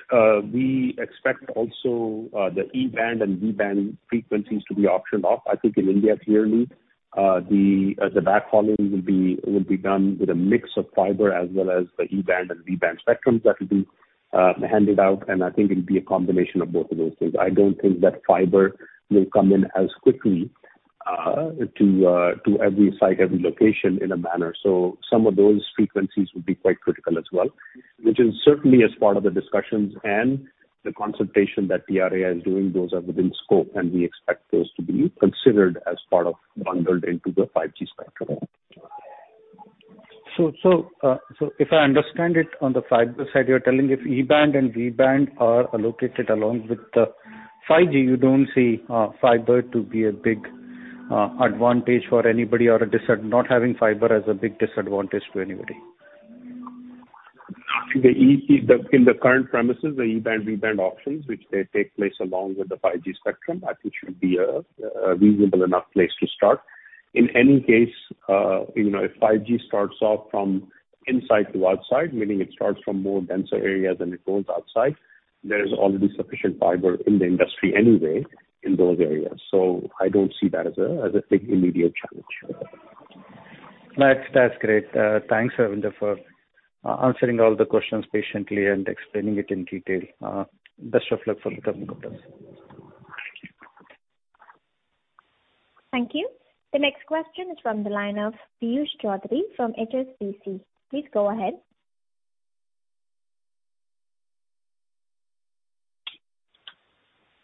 we expect also the E-band and V-band frequencies to be auctioned off, I think in India clearly. The backhauling will be done with a mix of fiber as well as the E-band and V-band spectrum that will be handed out, and I think it'll be a combination of both of those things. I don't think that fiber will come in as quickly to every site, every location in a manner. Some of those frequencies will be quite critical as well, which is certainly a part of the discussions and the consultation that TRAI is doing. Those are within scope, and we expect those to be considered and bundled into the 5G spectrum. If I understand it on the fiber side, you're telling if E-band and V-band are allocated along with the 5G, you don't see fiber to be a big advantage for anybody or not having fiber as a big disadvantage to anybody. I think the E-band, V-band auctions, which they take place along with the 5G spectrum, I think should be a reasonable enough place to start. In any case, if 5G starts off from inside to outside, meaning it starts from more denser areas and it goes outside, there is already sufficient fiber in the industry anyway in those areas. I don't see that as a big immediate challenge. That's great. Thanks, Ravinder Takkar, for answering all the questions patiently and explaining it in detail. Best of luck for the coming quarters. Thank you. Thank you. The next question is from the line of Piyush Choudhary from HSBC. Please go ahead.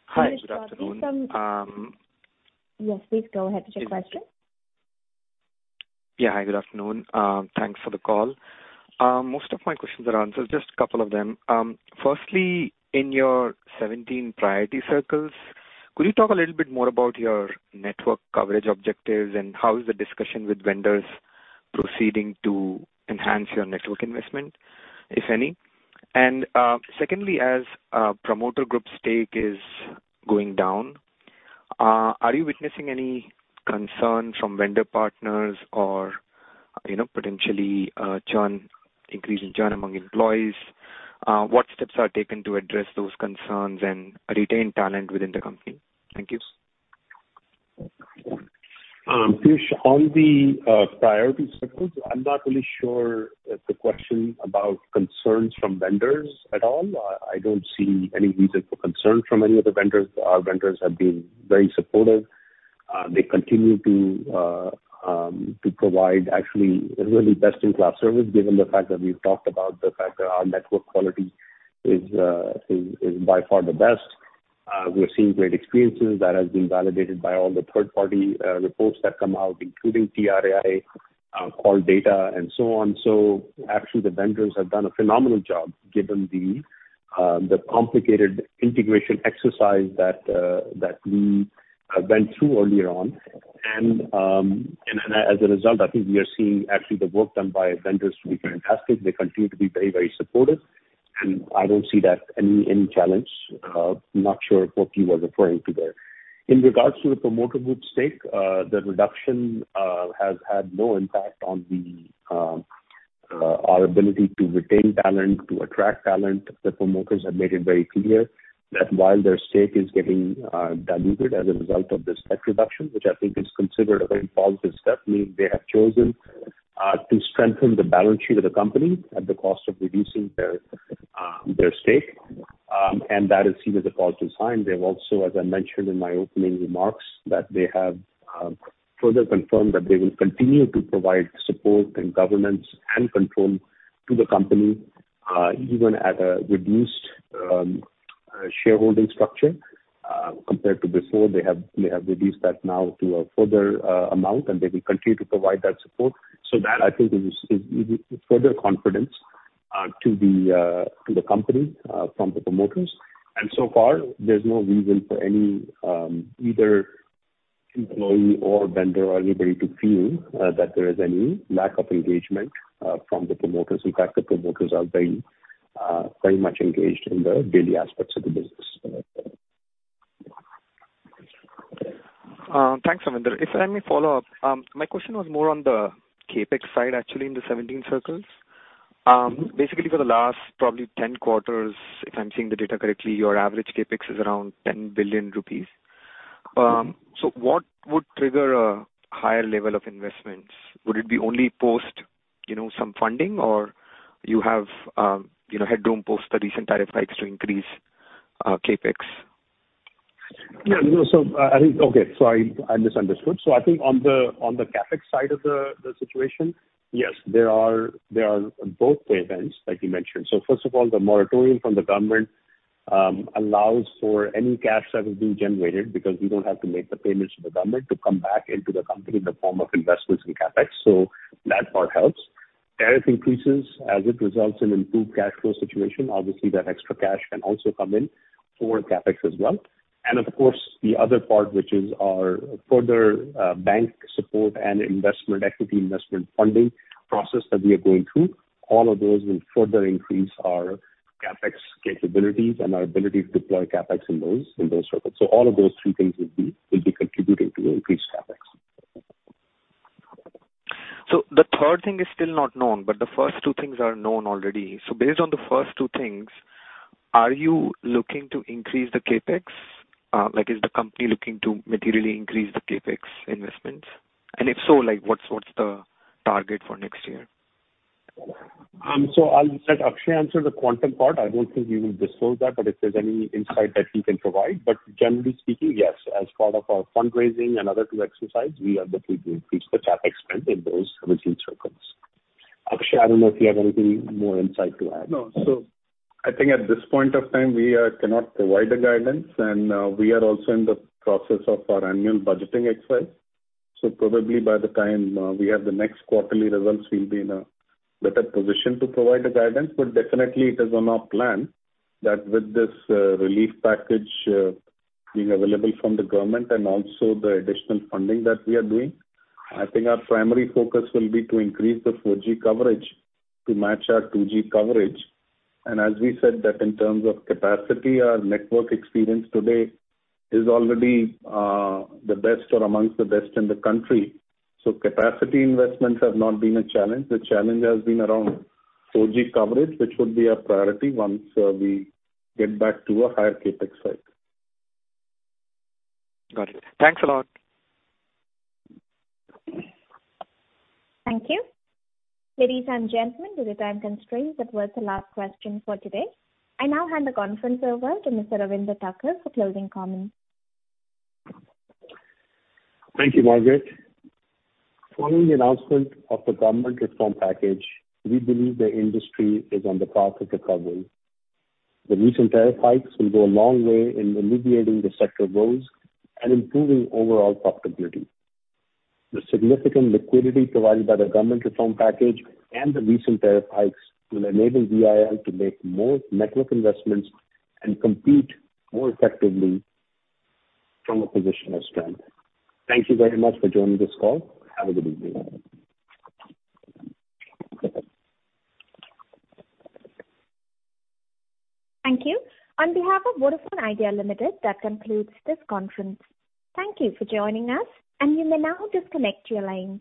Hi, good afternoon. Piyush Choudhary. Yes, please go ahead with your question. Yeah. Hi, good afternoon. Thanks for the call. Most of my questions are answered, just a couple of them. Firstly, in your 17 priority circles, could you talk a little bit more about your network coverage objectives and how is the discussion with vendors proceeding to enhance your network investment, if any? And, secondly, as a promoter group stake is going down, are you witnessing any concern from vendor partners or, you know, potentially, churn, increasing churn among employees? What steps are taken to address those concerns and retain talent within the company? Thank you. On the priority circles, I'm not really sure if the question is about concerns from vendors at all. I don't see any reason for concern from any of the vendors. Our vendors have been very supportive. They continue to provide actually really best-in-class service, given the fact that we've talked about the fact that our network quality is by far the best. We're seeing great experiences that has been validated by all the third-party reports that come out, including TRAI call data and so on. Actually the vendors have done a phenomenal job given the complicated integration exercise that we have been through earlier on. As a result, I think we are seeing actually the work done by vendors to be fantastic. They continue to be very supportive, and I don't see any challenge. I'm not sure what you were referring to there. In regards to the promoter group stake, the reduction has had no impact on our ability to retain talent, to attract talent. The promoters have made it very clear that while their stake is getting diluted as a result of this tax reduction, which I think is considered a very positive step, meaning they have chosen to strengthen the balance sheet of the company at the cost of reducing their stake, and that is seen as a positive sign. They have also, as I mentioned in my opening remarks, that they have further confirmed that they will continue to provide support and governance and control to the company, even at a reduced shareholding structure, compared to before. They have reduced that now to a further amount, and they will continue to provide that support. That I think is further confidence to the company from the promoters. So far, there's no reason for any either employee or vendor or anybody to feel that there is any lack of engagement from the promoters. In fact, the promoters are very much engaged in the daily aspects of the business. Thanks, Ravinder. If I may follow up, my question was more on the CapEx side, actually in the 17 circles. Basically for the last probably 10 quarters, if I'm seeing the data correctly, your average CapEx is around 10 billion rupees. So what would trigger a higher level of investments? Would it be only post, you know, some funding or you have, you know, headroom post the recent tariff hikes to increase, CapEx? I misunderstood. I think on the CapEx side of the situation, yes, there are both events like you mentioned. First of all, the moratorium from the government allows for any cash that will be generated because we don't have to make the payments to the government to come back into the company in the form of investments in CapEx. That part helps. Tariff increases as it results in improved cash flow situation. Obviously, that extra cash can also come in for CapEx as well. Of course, the other part, which is our further bank support and investment, equity investment funding process that we are going through, all of those will further increase our CapEx capabilities and our ability to deploy CapEx in those circles. All of those three things will be contributing to increased CapEx. The third thing is still not known, but the first two things are known already. Based on the first two things, are you looking to increase the CapEx? Like, is the company looking to materially increase the CapEx investments? If so, like what's the target for next year? I'll let Akshay answer the quantum part. I don't think we will disclose that, but if there's any insight that he can provide. Generally speaking, yes, as part of our fundraising and other two exercises, we are looking to increase the CapEx spend in those regional circles. Akshay, I don't know if you have anything more insight to add. No. I think at this point of time, we cannot provide the guidance, and we are also in the process of our annual budgeting exercise. Probably by the time we have the next quarterly results, we'll be in a better position to provide the guidance. Definitely it is on our plan that with this relief package being available from the government and also the additional funding that we are doing, I think our primary focus will be to increase the 4G coverage to match our 2G coverage. As we said that in terms of capacity, our network experience today is already the best or amongst the best in the country. Capacity investments have not been a challenge. The challenge has been around 4G coverage, which would be a priority once we get back to a higher CapEx cycle. Got it. Thanks a lot. Thank you. Ladies and gentlemen, due to time constraints, that was the last question for today. I now hand the conference over to Mr. Ravinder Takkar for closing comments. Thank you, Margaret. Following the announcement of the government reform package, we believe the industry is on the path of recovery. The recent tariff hikes will go a long way in alleviating the sector woes and improving overall profitability. The significant liquidity provided by the government reform package and the recent tariff hikes will enable VI to make more network investments and compete more effectively from a position of strength. Thank you very much for joining this call. Have a good evening. Thank you. On behalf of Vodafone Idea Limited, that concludes this conference. Thank you for joining us, and you may now disconnect your line.